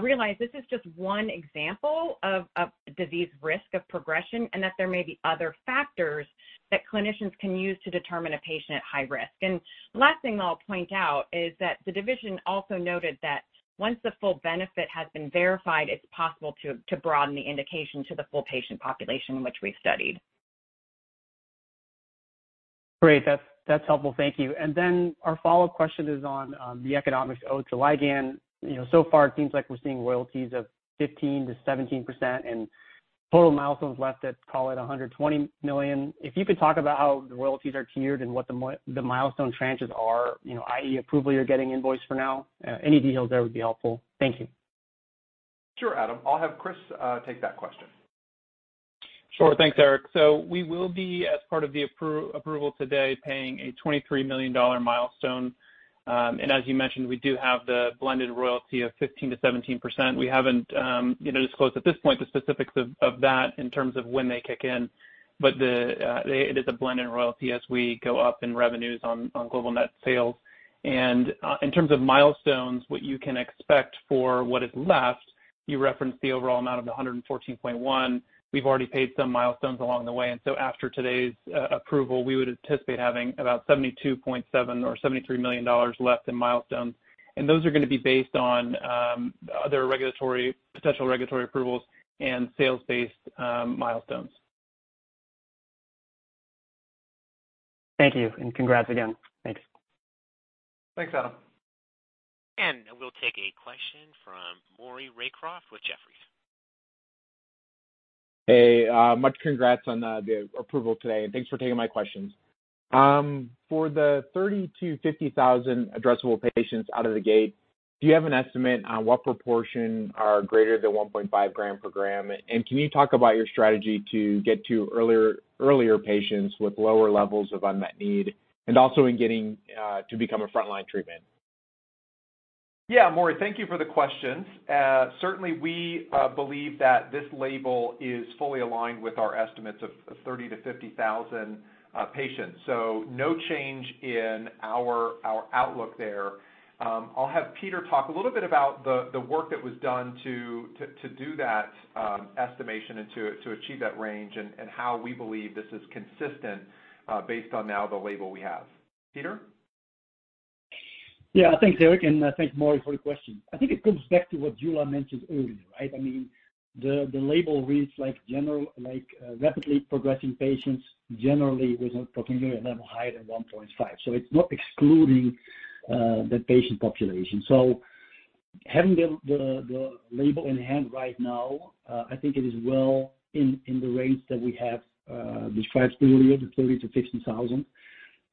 Realize this is just one example of disease risk of progression, and that there may be other factors that clinicians can use to determine a patient at high risk. Last thing I'll point out is that the division also noted that once the full benefit has been verified, it's possible to broaden the indication to the full patient population which we've studied. Great. That's, that's helpful. Thank you. Our follow-up question is on the economics owed to Ligand. You know, so far it seems like we're seeing royalties of 15% -17% and total milestones left at, call it $120 million. If you could talk about how the royalties are tiered and what the milestone tranches are, you know, i.e. approval you're getting invoice for now, any details there would be helpful. Thank you. Sure, Edwin. I'll have Chris take that question. Sure. Thanks, Eric. We will be, as part of the approval today, paying a $23 million milestone. As you mentioned, we do have the blended royalty of 15%-17%. We haven't, you know, disclosed at this point the specifics of that in terms of when they kick in, but it is a blended royalty as we go up in revenues on global net sales. In terms of milestones, what you can expect for what is left, you referenced the overall amount of the $114.1 million. We've already paid some milestones along the way, after today's approval, we would anticipate having about $72.7 million or $73 million left in milestones. And those are gonna be based on other regulatory, potential regulatory approvals and sales-based milestones. Thank you, and congrats again. Thanks. Thanks, [Ed]. We'll take a question from Maury Raycroft with Jefferies. Hey, much congrats on the approval today, and thanks for taking my questions. For the 30,000-50,000 addressable patients out of the gate, do you have an estimate on what proportion are greater than 1.5 grams per gram? Can you talk about your strategy to get to earlier patients with lower levels of unmet need and also in getting to become a frontline treatment? Yeah, Maury, thank you for the questions. Certainly, we believe that this label is fully aligned with our estimates of 30,000-50,000 patients, so no change in our outlook there. I'll have Peter talk a little bit about the work that was done to do that estimation and to achieve that range and how we believe this is consistent, based on now the label we have. Peter. Thanks, Eric, thanks, Maury, for the question. I think it comes back to what Jula mentioned earlier, right? I mean, the label reads like rapidly progressing patients, generally with a proteinuria level higher than 1.5 grams. It's not excluding the patient population. Having the label in hand right now, I think it is well in the range that we have described earlier, the 30,000-50,000.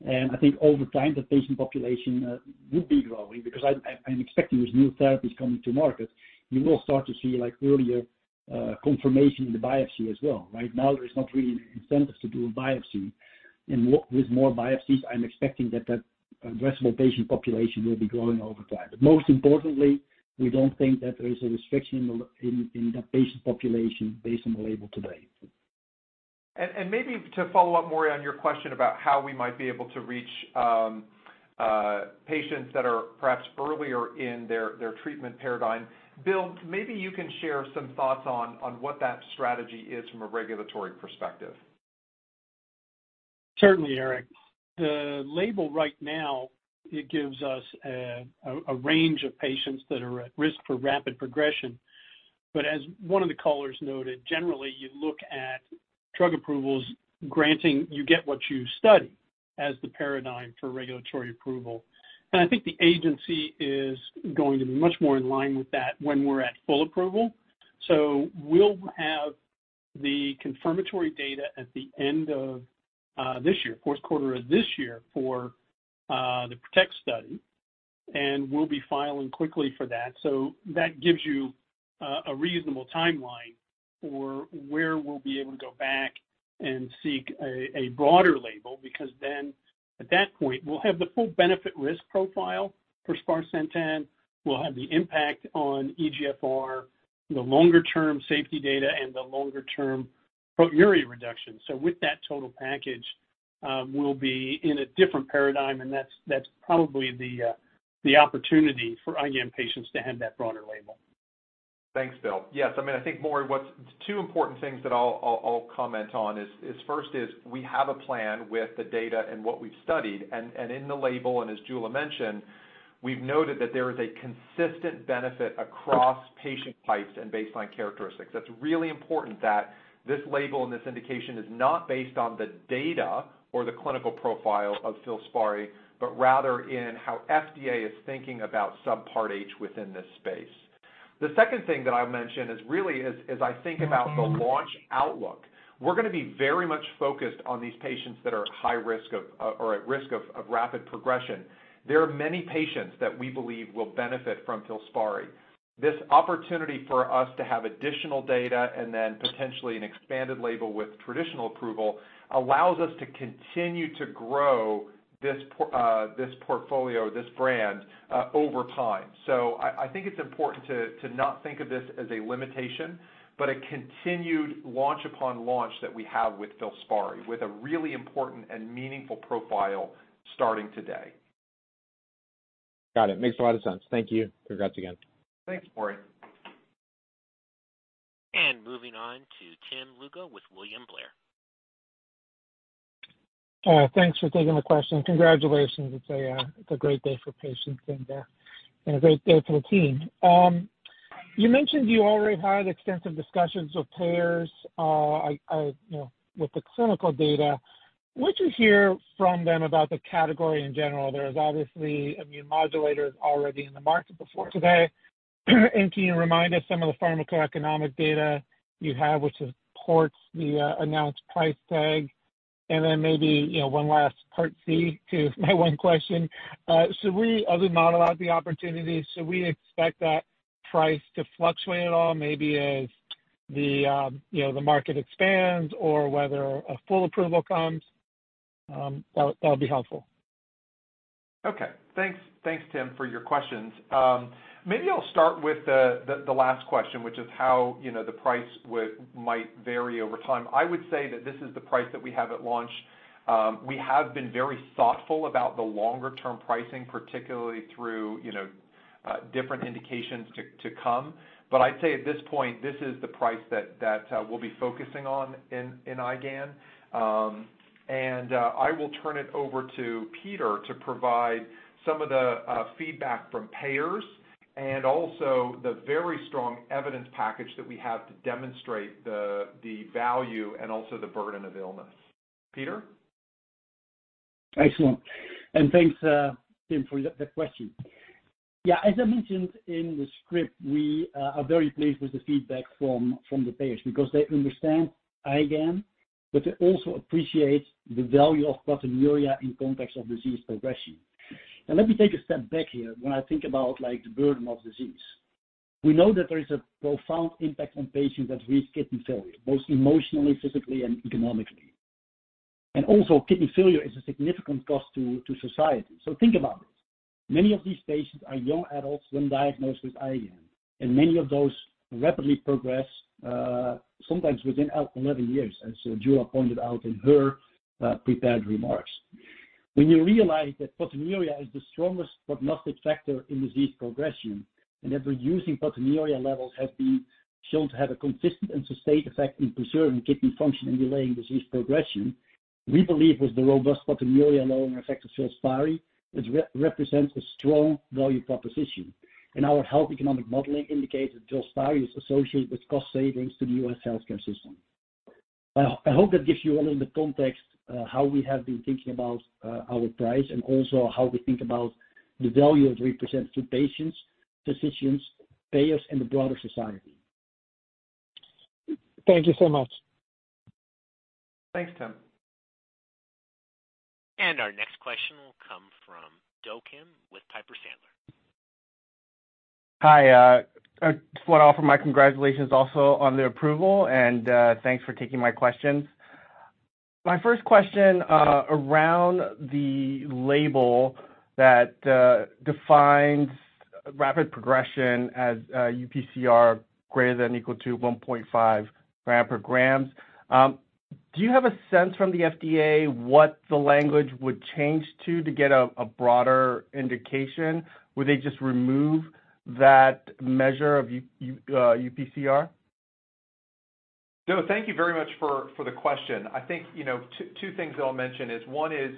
I think over time, the patient population would be growing because I'm expecting with new therapies coming to market, you will start to see like earlier confirmation in the biopsy as well. Right now, there is not really an incentive to do a biopsy. With more biopsies, I'm expecting that addressable patient population will be growing over time. Most importantly, we don't think that there is a restriction in that patient population based on the label today. Maybe to follow up more on your question about how we might be able to reach patients that are perhaps earlier in their treatment paradigm. Bill, maybe you can share some thoughts on what that strategy is from a regulatory perspective. Certainly, Eric. The label right now, it gives us a range of patients that are at risk for rapid progression. As one of the callers noted, generally, you look at drug approvals granting you get what you study as the paradigm for regulatory approval. I think the agency is going to be much more in line with that when we're at full approval. We'll have the confirmatory data at the end of this year, fourth quarter of this year for the PROTECT study, and we'll be filing quickly for that. That gives you a reasonable timeline for where we'll be able to go back and seek a broader label, because then at that point, we'll have the full benefit risk profile for Sparsentan. We'll have the impact on eGFR, the longer-term safety data, and the longer-term proteinuria reduction. With that total package, we'll be in a different paradigm, and that's probably the opportunity for IgAN patients to have that broader label. Thanks, Bill. Yes. I mean, I think, Maury, what's two important things that I'll comment on is first is we have a plan with the data and what we've studied. in the label, and as Jula mentioned, we've noted that there is a consistent benefit across patient types and baseline characteristics. That's really important that this label and this indication is not based on the data or the clinical profile of FILSPARI, but rather in how FDA is thinking about Subpart H within this space. The second thing that I'll mention is really as I think about the launch outlook, we're gonna be very much focused on these patients that are high risk of, or at risk of rapid progression. There are many patients that we believe will benefit from FILSPARI. This opportunity for us to have additional data and then potentially an expanded label with traditional approval allows us to continue to grow this portfolio, this brand, over time. I think it's important to not think of this as a limitation, but a continued launch upon launch that we have with FILSPARI, with a really important and meaningful profile starting today. Got it. Makes a lot of sense. Thank you. Congrats again. Thanks, Maury. Moving on to Tim Lugo with William Blair. Thanks for taking the question. Congratulations. It's a great day for patients and a great day for the team. You mentioned you already had extensive discussions with payers, you know, with the clinical data. What'd you hear from them about the category in general? There's obviously immune modulators already in the market before today. Can you remind us some of the pharmacoeconomic data you have, which supports the announced price tag? Maybe, you know, one last part C to my one question. As we monologue the opportunity, should we expect that price to fluctuate at all, maybe as the, you know, the market expands or whether a full approval comes? That'll be helpful. Okay. Thanks, Tim, for your questions. Maybe I'll start with the last question, which is how, you know, the price might vary over time. I would say that this is the price that we have at launch. We have been very thoughtful about the longer-term pricing, particularly through, you know, different indications to come. I'd say at this point, this is the price that we'll be focusing on in IgAN. I will turn it over to Peter to provide some of the feedback from payers and also the very strong evidence package that we have to demonstrate the value and also the burden of illness. Peter. Excellent. Thanks, Tim, for that question. Yeah, as I mentioned in the script, we are very pleased with the feedback from the payers because they understand IgAN, but they also appreciate the value of proteinuria in context of disease progression. Let me take a step back here when I think about, like, the burden of disease. We know that there is a profound impact on patients at risk of kidney failure, both emotionally, physically, and economically. Also, kidney failure is a significant cost to society. Think about it. Many of these patients are young adults when diagnosed with IgAN, and many of those rapidly progress, sometimes within 11 years, as Jula pointed out in her prepared remarks. When you realize that proteinuria is the strongest prognostic factor in disease progression and that reducing proteinuria levels has been shown to have a consistent and sustained effect in preserving kidney function and delaying disease progression, we believe with the robust proteinuria-lowering effect of FILSPARI, it represents a strong value proposition. Our health economic modeling indicates that FILSPARI is associated with cost savings to the U.S. healthcare system. I hope that gives you a little bit context how we have been thinking about our price and also how we think about the value it represents to patients, physicians, payers, and the broader society. Thank you so much. Thanks, Tim. Our next question will come from Do Kim with Piper Sandler. Hi, I just wanna offer my congratulations also on the approval, and thanks for taking my questions. My first question around the label that defines rapid progression as UPCR greater than or equal to 1.5 grams per grams. Do you have a sense from the FDA what the language would change to get a broader indication? Would they just remove that measure of UPCR? Do, thank you very much for the question. I think, you know, two things that I'll mention is one is,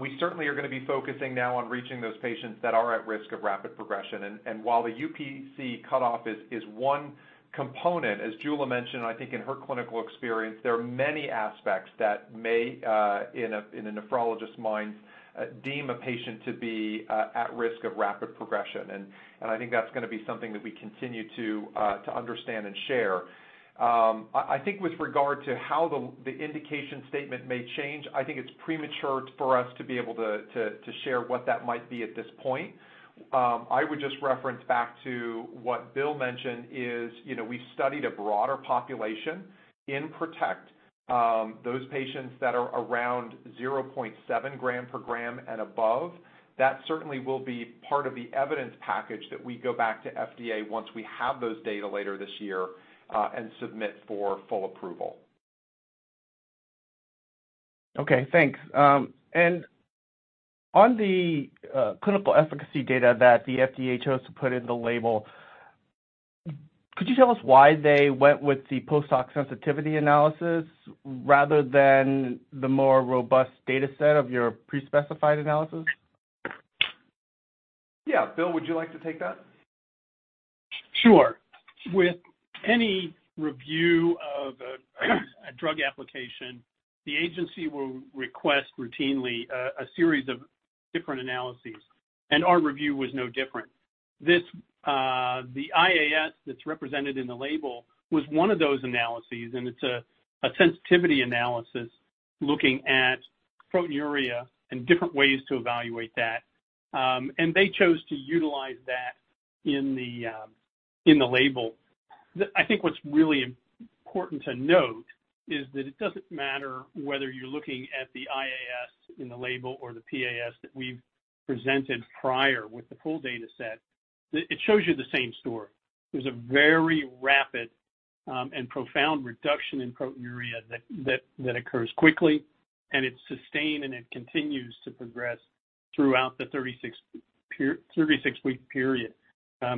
we certainly are gonna be focusing now on reaching those patients that are at risk of rapid progression. While the UPCR cutoff is one component, as Jula mentioned, I think in her clinical experience, there are many aspects that may, in a nephrologist mind, deem a patient to be at risk of rapid progression. I think that's gonna be something that we continue to understand and share. I think with regard to how the indication statement may change, I think it's premature for us to be able to share what that might be at this point. I would just reference back to what Bill mentioned is, you know, we studied a broader population in PROTECT, those patients that are around 0.7g per gram and above. That certainly will be part of the evidence package that we go back to FDA once we have those data later this year, and submit for full approval. Okay. Thanks. On the clinical efficacy data that the FDA chose to put in the label, could you tell us why they went with the post hoc sensitivity analysis rather than the more robust data set of your pre-specified analysis? Yeah. Bill, would you like to take that? Sure. With any review of a drug application, the agency will request routinely a series of different analyses, and our review was no different. This the IAS that's represented in the label was one of those analyses, and it's a sensitivity analysis looking at proteinuria and different ways to evaluate that. They chose to utilize that in the label. I think what's really important to note is that it doesn't matter whether you're looking at the IAS in the label or the PAS that we've presented prior with the full data set. It shows you the same story. There's a very rapid and profound reduction in proteinuria that occurs quickly, and it's sustained, and it continues to progress throughout the 36-week period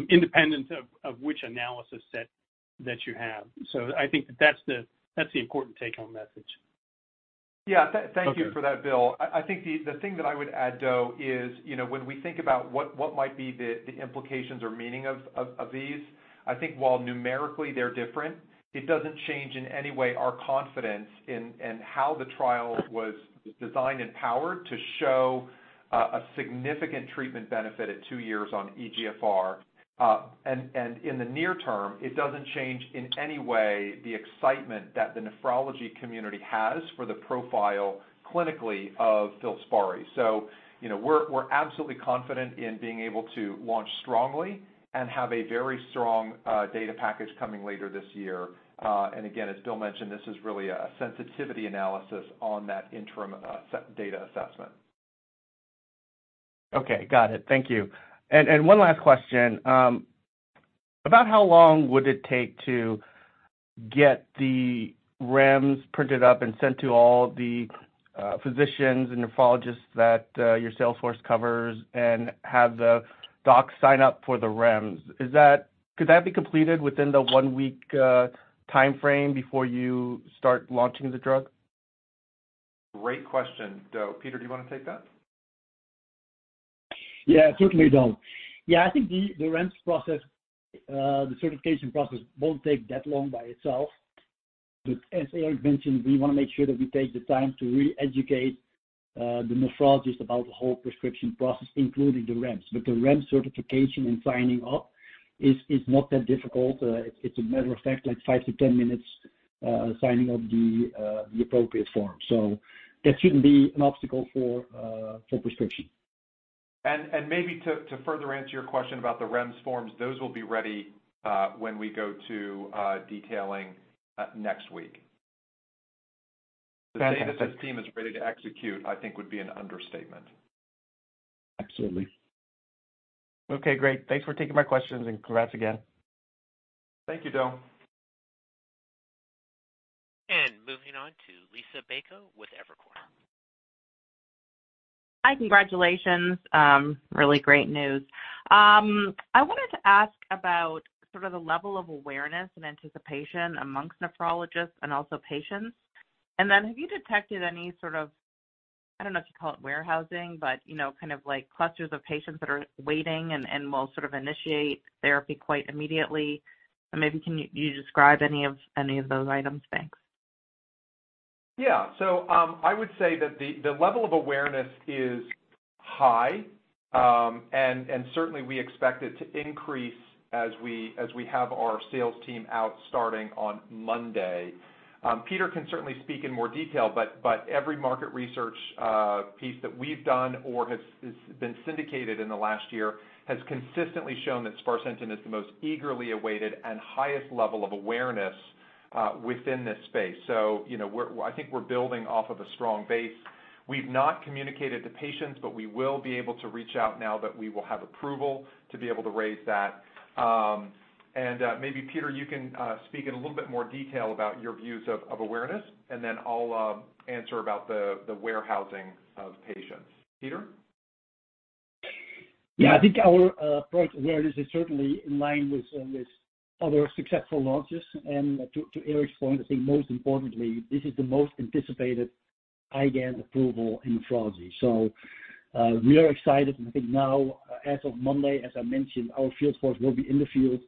independent of which analysis set that you have. I think that that's the important take-home message. Yeah. thank you- Okay... for that, Bill. I think the thing that I would add, Do, is, you know, when we think about what might be the implications or meaning of, of these, I think while numerically they're different, it doesn't change in any way our confidence in how the trial was designed and powered to show a significant treatment benefit at two years on eGFR. In the near term, it doesn't change in any way the excitement that the nephrology community has for the profile clinically of FILSPARI. You know, we're absolutely confident in being able to launch strongly and have a very strong data package coming later this year. Again, as Bill mentioned, this is really a sensitivity analysis on that interim data assessment. Okay. Got it. Thank you. One last question. About how long would it take to get the REMS printed up and sent to all the physicians and nephrologists that your sales force covers and have the docs sign up for the REMS? Could that be completed within the 1-week timeframe before you start launching the drug? Great question, Do. Peter, do you wanna take that? Certainly, Do. I think the REMS process, the certification process won't take that long by itself. As Eric mentioned, we want to make sure that we take the time to re-educate the nephrologist about the whole prescription process, including the REMS. The REMS certification and signing up is not that difficult. It's a matter of fact, like 5-10 minutes, signing up the appropriate form. That shouldn't be an obstacle for prescription. Maybe to further answer your question about the REMS forms, those will be ready, when we go to detailing next week. Fantastic. The data that team is ready to execute, I think, would be an understatement. Absolutely. Okay, great. Thanks for taking my questions, and congrats again. Thank you, Do. Moving on to Liisa Bayko with Evercore. Hi. Congratulations. really great news. I wanted to ask about sort of the level of awareness and anticipation amongst nephrologists and also patients. Have you detected any sort of, I don't know if you call it warehousing, but, you know, kind of like clusters of patients that are waiting and will sort of initiate therapy quite immediately? Can you describe any of those items? Thanks. I would say that the level of awareness is high, and certainly we expect it to increase as we have our sales team out starting on Monday. Peter can certainly speak in more detail, but every market research piece that we've done or has been syndicated in the last year has consistently shown that sparsentan is the most eagerly awaited and highest level of awareness within this space. You know, I think we're building off of a strong base. We've not communicated to patients, but we will be able to reach out now that we will have approval to be able to raise that. Maybe Peter, you can speak in a little bit more detail about your views of awareness, and then I'll answer about the warehousing of patients. Peter? Yeah. I think our product awareness is certainly in line with other successful launches. To Eric's point, I think most importantly, this is the most anticipated IgAN approval in nephrology. We are excited. I think now as of Monday, as I mentioned, our sales force will be in the field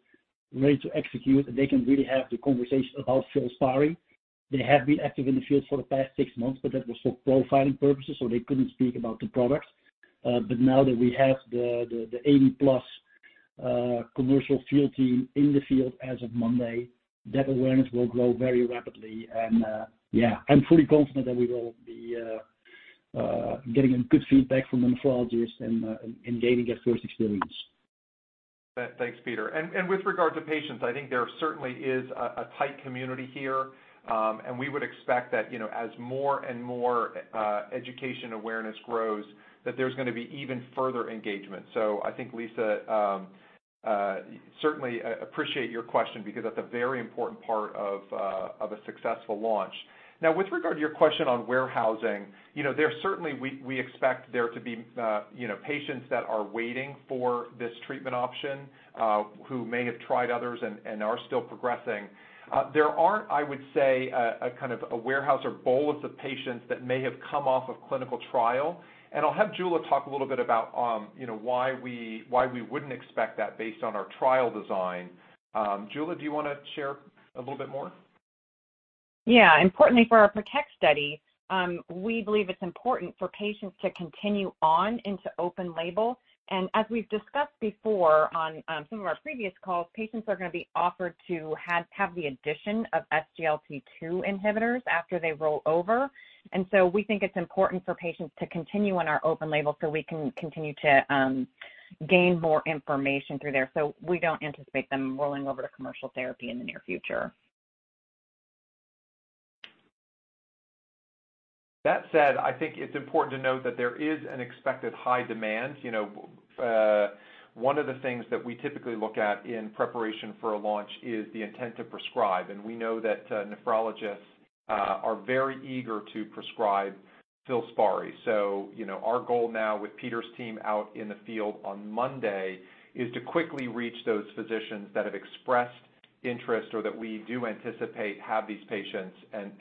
ready to execute, and they can really have the conversation about FILSPARI. They have been active in the field for the past six months, but that was for profiling purposes, so they couldn't speak about the product. Now that we have the 80+ commercial field team in the field as of Monday, that awareness will grow very rapidly. Yeah, I'm fully confident that we will be getting good feedback from nephrologists and gaining that first experience. Thanks, Peter. With regard to patients, I think there certainly is a tight community here. We would expect that, you know, as more and more education awareness grows, that there's gonna be even further engagement. I think, Liisa, certainly appreciate your question because that's a very important part of a successful launch. Now with regard to your question on warehousing, you know, there certainly we expect there to be, you know, patients that are waiting for this treatment option, who may have tried others and are still progressing. There aren't, I would say, a kind of a warehouse or bolus of patients that may have come off of clinical trial. I'll have Jula talk a little bit about, you know, why we, why we wouldn't expect that based on our trial design. Jula, do you wanna share a little bit more? Yeah. Importantly for our PROTECT study, we believe it's important for patients to continue on into open label. As we've discussed before on, some of our previous calls, patients are gonna be offered to have the addition of SGLT2 inhibitors after they roll over. We think it's important for patients to continue on our open label so we can continue to, gain more information through there. We don't anticipate them rolling over to commercial therapy in the near future. That said, I think it's important to note that there is an expected high demand. You know, one of the things that we typically look at in preparation for a launch is the intent to prescribe, and we know that nephrologists are very eager to prescribe FILSPARI. You know, our goal now with Peter's team out in the field on Monday is to quickly reach those physicians that have expressed interest or that we do anticipate have these patients and,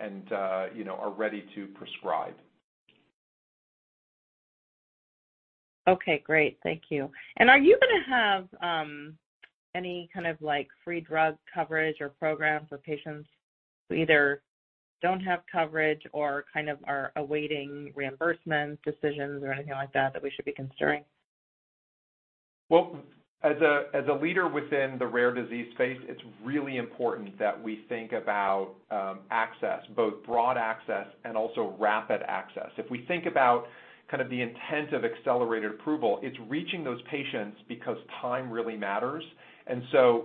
you know, are ready to prescribe. Okay, great. Thank you. Are you gonna have any kind of like free drug coverage or programs for patients who either don't have coverage or kind of are awaiting reimbursement decisions or anything like that that we should be considering? Well, as a leader within the rare disease space, it's really important that we think about access, both broad access and also rapid access. If we think about kind of the intent of accelerated approval, it's reaching those patients because time really matters.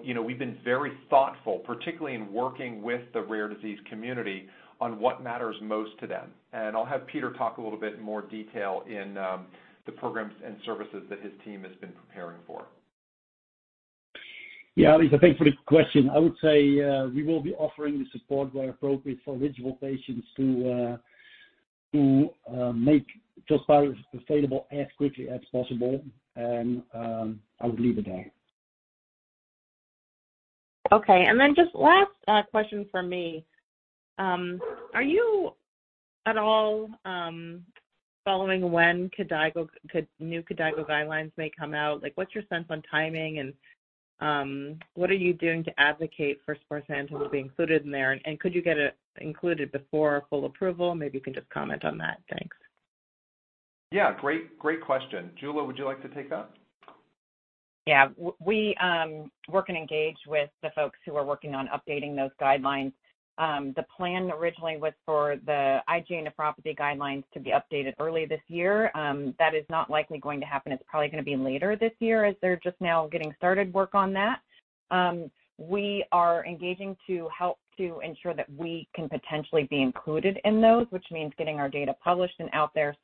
You know, we've been very thoughtful, particularly in working with the rare disease community on what matters most to them. I'll have Peter talk a little bit more detail in the programs and services that his team has been preparing for. Yeah. Liisa, thanks for the question. I would say, we will be offering the support where appropriate for eligible patients to, make FILSPARI available as quickly as possible, and, I would leave it there. Okay. Just last question from me. Are you at all following when KDIGO, new KDIGO guidelines may come out? Like, what's your sense on timing, and what are you doing to advocate for sparsentan to be included in there? Could you get it included before full approval? Maybe you can just comment on that. Thanks. Yeah. Great, great question. Jula, would you like to take that? Yeah. We work and engage with the folks who are working on updating those guidelines. The plan originally was for the IgA nephropathy guidelines to be updated early this year. That is not likely going to happen. It's probably gonna be later this year, as they're just now getting started work on that. We are engaging to help to ensure that we can potentially be included in those, which means getting our data published and out there.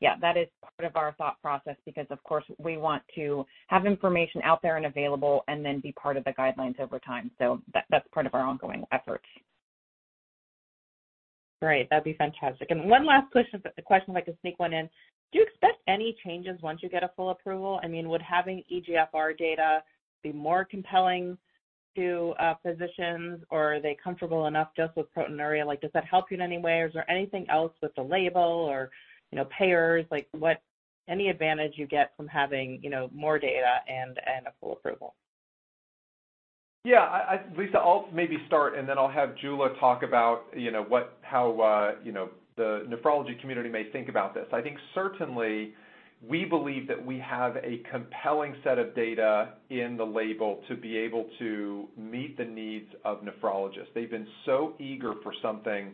Yeah, that is part of our thought process because, of course, we want to have information out there and available and then be part of the guidelines over time. That's part of our ongoing efforts. Great. That'd be fantastic. One last question, if I could sneak one in. Do you expect any changes once you get a full approval? I mean, would having eGFR data be more compelling to physicians, or are they comfortable enough just with proteinuria? Like, does that help you in any way, or is there anything else with the label or, you know, payers, like, any advantage you get from having, you know, more data and a full approval? Yeah. Liisa, I'll maybe start, and then I'll have Jula talk about, you know, how, you know, the nephrology community may think about this. I think certainly we believe that we have a compelling set of data in the label to be able to meet the needs of nephrologists. They've been so eager for something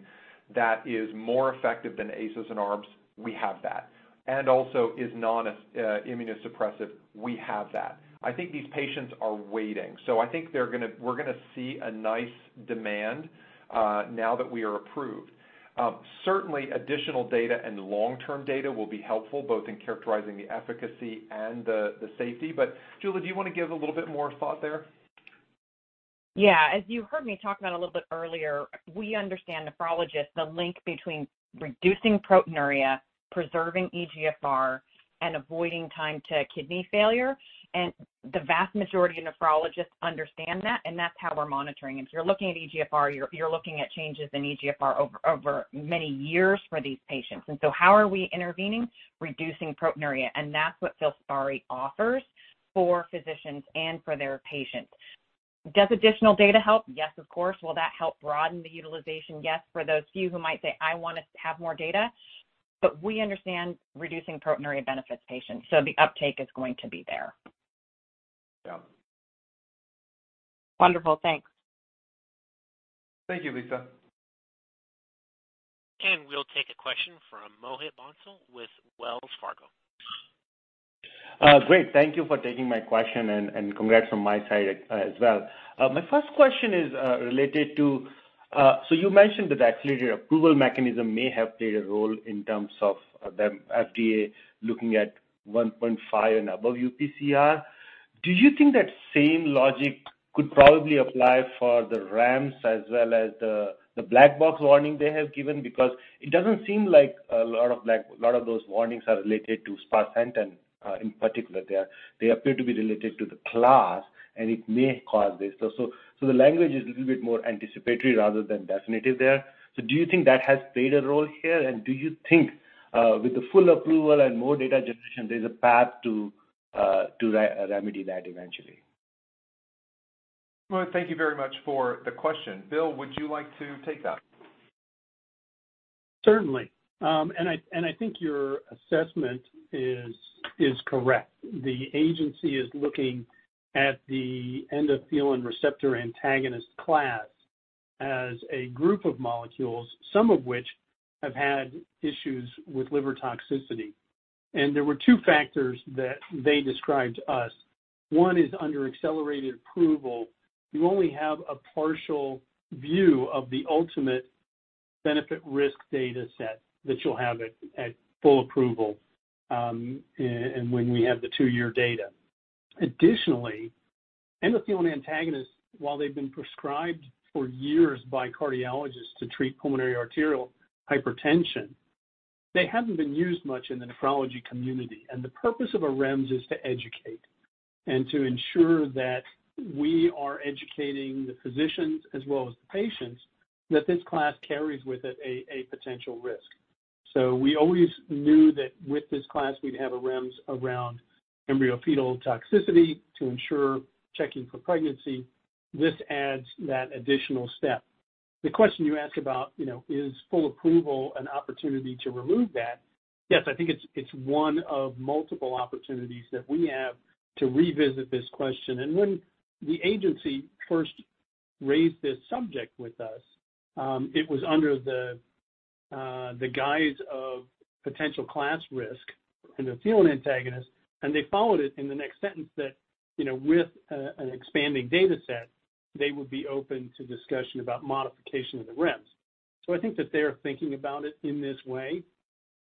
that is more effective than ACEs and ARBs. We have that. Also is non, immunosuppressive. We have that. I think these patients are waiting, so I think we're gonna see a nice demand now that we are approved. Certainly additional data and long-term data will be helpful both in characterizing the efficacy and the safety. Jula, do you wanna give a little bit more thought there? As you heard me talk about a little bit earlier, we understand nephrologists, the link between reducing proteinuria, preserving eGFR, and avoiding time to kidney failure. The vast majority of nephrologists understand that, and that's how we're monitoring. If you're looking at eGFR, you're looking at changes in eGFR over many years for these patients. How are we intervening? Reducing proteinuria. That's what FILSPARI offers for physicians and for their patients. Does additional data help? Yes, of course. Will that help broaden the utilization? Yes, for those few who might say, "I wanna have more data." We understand reducing proteinuria benefits patients, so the uptake is going to be there. Yeah. Wonderful. Thanks. Thank you, Liisa. We'll take a question from Mohit Bansal with Wells Fargo. Great. Thank you for taking my question and congrats from my side as well. My first question is related to. You mentioned that the accelerated approval mechanism may have played a role in terms of FDA looking at 1.5 grams and above UPCR. Do you think that same logic could probably apply for the REMS as well as the black box warning they have given? It doesn't seem like a lot of those warnings are related to sparsentan in particular. They are, they appear to be related to the class, and it may cause this. The language is a little bit more anticipatory rather than definitive there. Do you think that has played a role here, and do you think, with the full approval and more data generation, there's a path to remedy that eventually? Mohit, thank you very much for the question. Bill, would you like to take that? Certainly. I think your assessment is correct. The agency is looking at the endothelin receptor antagonist class as a group of molecules, some of which have had issues with liver toxicity. There were two factors that they described to us. One is under accelerated approval, you only have a partial view of the ultimate benefit risk data set that you'll have at full approval, and when we have the two-year data. Additionally, endothelin antagonists, while they've been prescribed for years by cardiologists to treat pulmonary arterial hypertension, they haven't been used much in the nephrology community. The purpose of a REMS is to educate and to ensure that we are educating the physicians as well as the patients that this class carries with it a potential risk. We always knew that with this class, we'd have a REMS around embryo-fetal toxicity to ensure checking for pregnancy. This adds that additional step. The question you ask about, you know, is full approval an opportunity to remove that? Yes. I think it's one of multiple opportunities that we have to revisit this question. When the agency first raised this subject with us, it was under the guise of potential class risk endothelin antagonist, and they followed it in the next sentence that, you know, with an expanding data set, they would be open to discussion about modification of the REMS. I think that they are thinking about it in this way,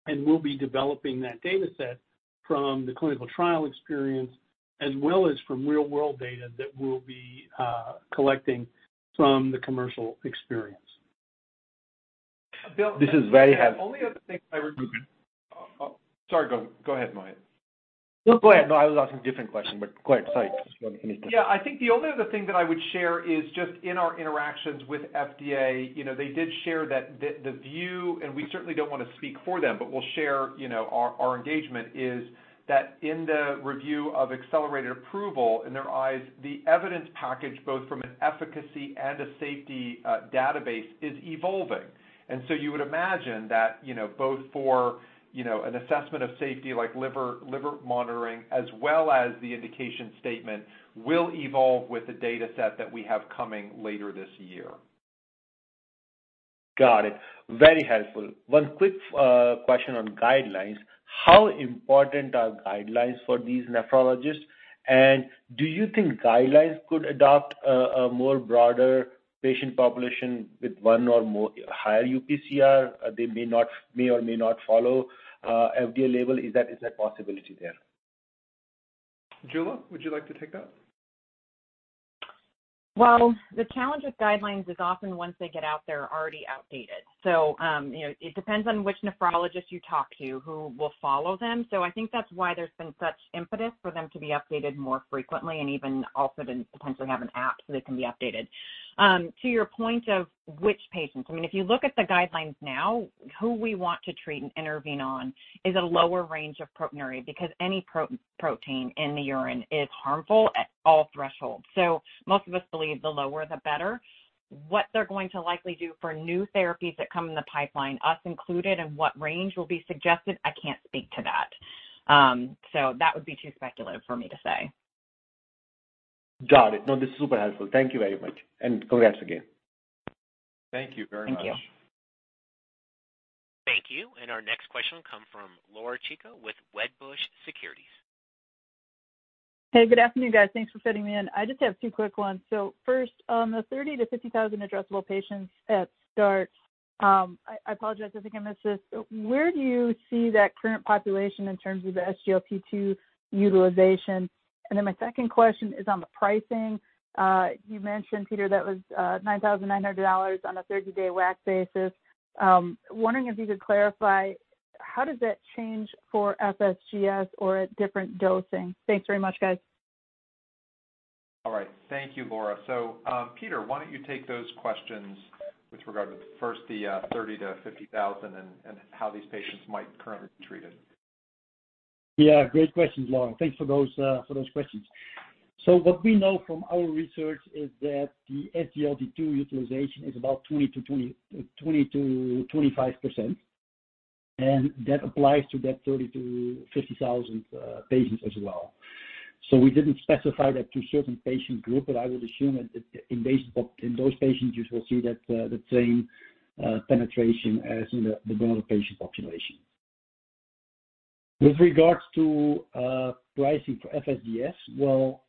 and we'll be developing that data set from the clinical trial experience as well as from real-world data that we'll be collecting from the commercial experience. Bill, this is very helpful. The only other thing. Oh, sorry. Go ahead, Mohit. No, go ahead. No, I was asking a different question, but go ahead. Sorry. Yeah. I think the only other thing that I would share is just in our interactions with FDA, you know, they did share that the view and we certainly don't want to speak for them, but we'll share, you know, our engagement is that in the review of accelerated approval in their eyes, the evidence package, both from an efficacy and a safety database, is evolving. So you would imagine that, you know, both for, you know, an assessment of safety like liver monitoring as well as the indication statement will evolve with the data set that we have coming later this year. Got it. Very helpful. One quick question on guidelines. How important are guidelines for these nephrologists, and do you think guidelines could adopt a more broader patient population with one or more higher UPCR they may or may not follow FDA label? Is that possibility there? Jula, would you like to take that? The challenge with guidelines is often once they get out there, they're already outdated. You know, it depends on which nephrologist you talk to who will follow them. I think that's why there's been such impetus for them to be updated more frequently and even also to potentially have an app so they can be updated. To your point of which patients, I mean, if you look at the guidelines now, who we want to treat and intervene on is a lower range of proteinuria because any pro-protein in the urine is harmful at all thresholds. Most of us believe the lower the better. What they're going to likely do for new therapies that come in the pipeline, us included, and what range will be suggested, I can't speak to that. That would be too speculative for me to say. Got it. No, this is super helpful. Thank you very much. Congrats again. Thank you very much. Thank you. Thank you. Our next question will come from Laura Chico with Wedbush Securities. Hey, good afternoon, guys. Thanks for fitting me in. I just have two quick ones. First, on the 30,000-50,000 addressable patients at start, I apologize I think I missed this. Where do you see that current population in terms of the SGLT2 utilization? My second question is on the pricing. You mentioned, Peter, that was $9,900 on a 30-day WAC basis. Wondering if you could clarify how does that change for FSGS or at different dosing. Thanks very much, guys. All right. Thank you, Laura. Peter, why don't you take those questions with regard to first the 30,000-50,000 and how these patients might currently be treated. Yeah, great questions, Laura. Thanks for those for those questions. What we know from our research is that the SGLT2 utilization is about 20%-25%, and that applies to that 30,000-50,000 patients as well. We didn't specify that to a certain patient group, but I would assume that in those patients, you will see that the same penetration as in the general patient population. With regards to pricing for FSGS, well,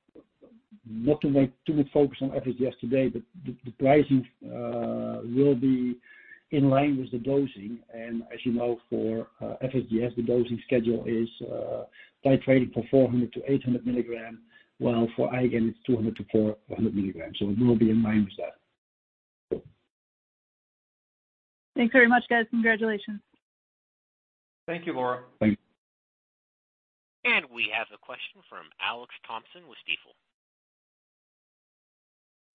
not to make too much focus on FSGS today, but the pricing will be in line with the dosing. As you know, for FSGS, the dosing schedule is titrating for 400-800 milligram, while for IgAN it's 200-400 milligrams. It will be in line with that. Thanks very much, guys. Congratulations. Thank you, Laura. Thanks. We have a question from Alex Thompson with Stifel.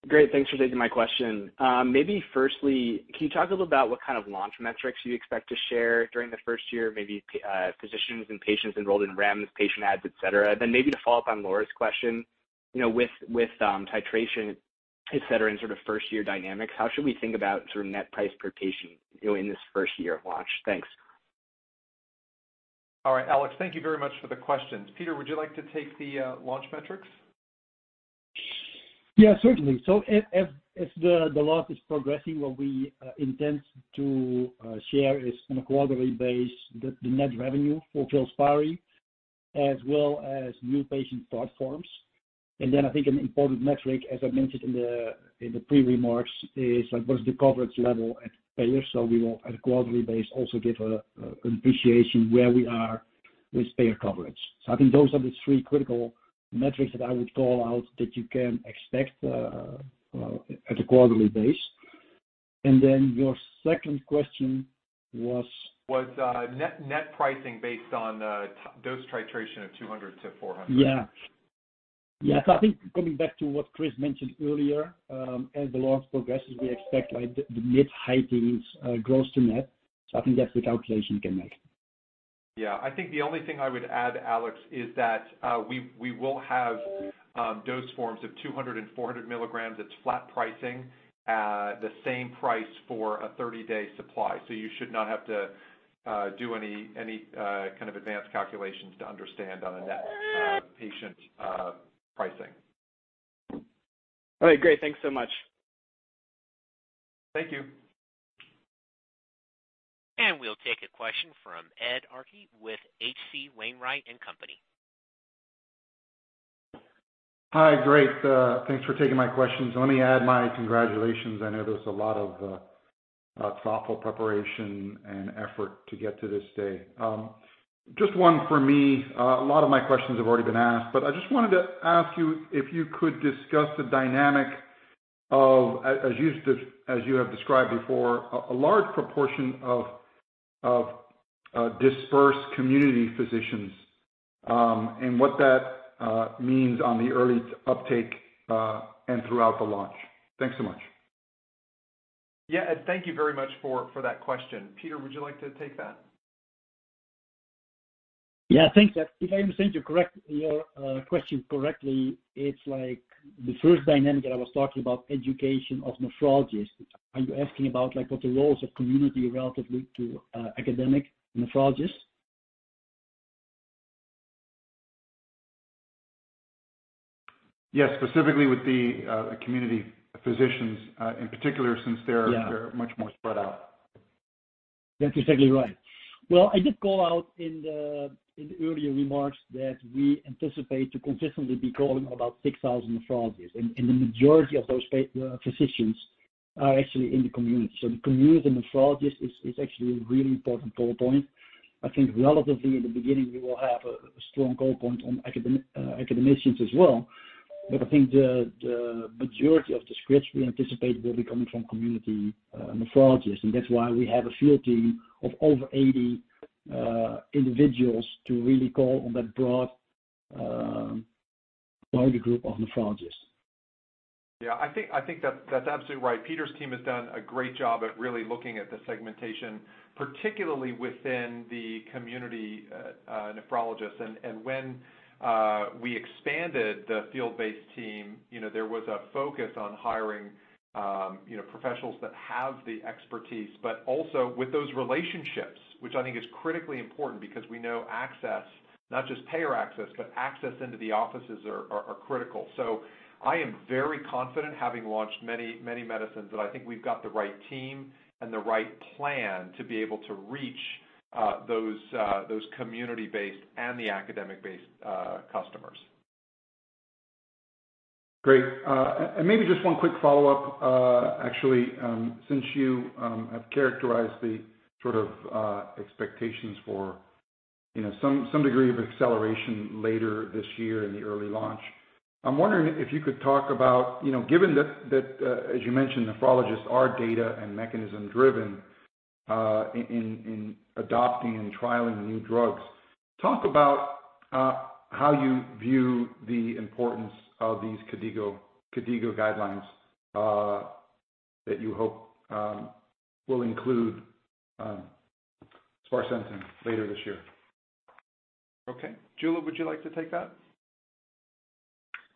Great. Thanks for taking my question. Maybe firstly, can you talk a little about what kind of launch metrics you expect to share during the first year? Maybe physicians and patients enrolled in REMS, patient ads, et cetera. Maybe to follow up on Laura's question, you know, with titration, et cetera, and sort of first-year dynamics, how should we think about sort of net price per patient, you know, in this first year of launch? Thanks. All right, Alex. Thank you very much for the questions. Peter, would you like to take the launch metrics? Certainly. If the launch is progressing, what we intend to share is on a quarterly base the net revenue for FILSPARI as well as new patient start forms. I think an important metric, as I mentioned in the pre-remarks, is what is the coverage level at payer. We will at a quarterly base also give an appreciation where we are with payer coverage. I think those are the three critical metrics that I would call out that you can expect at a quarterly base. Your second question was? Was, net pricing based on, dose titration of 200-400mg. Yeah. I think going back to what Chris mentioned earlier, as the launch progresses, we expect like the mid high teens gross to net. I think that's the calculation you can make. Yeah. I think the only thing I would add, Alex, is that we will have dose forms of 200 and 400 milligrams. It's flat pricing at the same price for a 30-day supply. You should not have to do any kind of advanced calculations to understand on a net patient pricing. All right. Great. Thanks so much. Thank you. We'll take a question from Ed Arce with H.C. Wainwright & Co.. Hi. Great. Thanks for taking my questions. Let me add my congratulations. I know there's a lot of thoughtful preparation and effort to get to this stage. Just one for me. A lot of my questions have already been asked, but I just wanted to ask you if you could discuss the dynamic of as you have described before, a large proportion of dispersed community physicians and what that means on the early uptake and throughout the launch. Thanks so much. Yeah, Ed, thank you very much for that question. Peter, would you like to take that? Yeah. Thanks, Ed. If I understand your question correctly, it's like the first dynamic that I was talking about education of nephrologists. Are you asking about, like, what the roles of community relatively to academic nephrologists? Yes. Specifically with the community physicians, in particular. Yeah. they're much more spread out. That's exactly right. I did call out in the earlier remarks that we anticipate to consistently be calling about 6,000 nephrologists, and the majority of those physicians are actually in the community. The community nephrologist is actually a really important call point. I think relatively in the beginning we will have a strong call point on academicians as well, but I think the majority of the scripts we anticipate will be coming from community nephrologists. That's why we have a field team of over 80 individuals to really call on that broad broader group of nephrologists. Yeah. I think that's absolutely right. Peter's team has done a great job at really looking at the segmentation, particularly within the community nephrologists. When we expanded the field-based team, you know, there was a focus on hiring, you know, professionals that have the expertise, but also with those relationships, which I think is critically important because we know access, not just payer access, but access into the offices are critical. I am very confident, having launched many, many medicines, that I think we've got the right team and the right plan to be able to reach those community-based and the academic-based customers. Great. Maybe just one quick follow-up, actually, since you have characterized the sort of expectations for, you know, some degree of acceleration later this year in the early launch. I'm wondering if you could talk about, you know, given that, as you mentioned, nephrologists are data and mechanism-driven, in adopting and trialing new drugs, talk about how you view the importance of these KDIGO guidelines, that you hope will include sparsentan later this year. Okay. Jula, would you like to take that?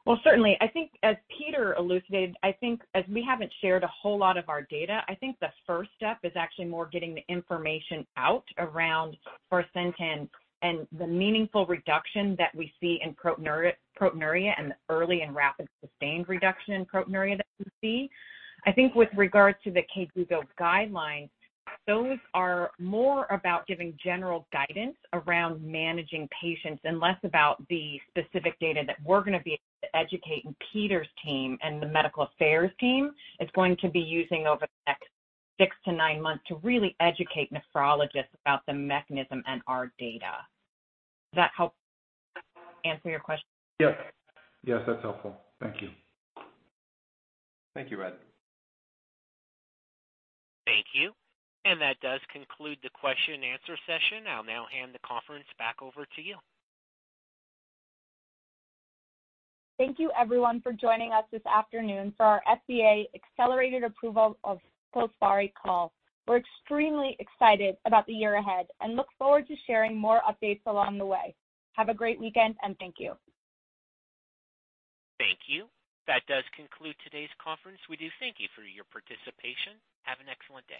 Well, certainly. I think as Peter elucidated, I think as we haven't shared a whole lot of our data, I think the first step is actually more getting the information out around Sparsentan and the meaningful reduction that we see in proteinuria, and the early and rapid sustained reduction in proteinuria that we see. I think with regards to the KDIGO guidelines, those are more about giving general guidance around managing patients and less about the specific data that we're gonna be able to educate. Peter's team and the medical affairs team is going to be using over the 6-9 months to really educate nephrologists about the mechanism and our data. Does that help answer your question? Yes. Yes, that's helpful. Thank you. Thank you, Ed. Thank you. That does conclude the question and answer session. I'll now hand the conference back over to you. Thank you everyone for joining us this afternoon for our FDA Accelerated Approval of FILSPARI call. We're extremely excited about the year ahead and look forward to sharing more updates along the way. Have a great weekend, and thank you. Thank you. That does conclude today's conference. We do thank you for your participation. Have an excellent day.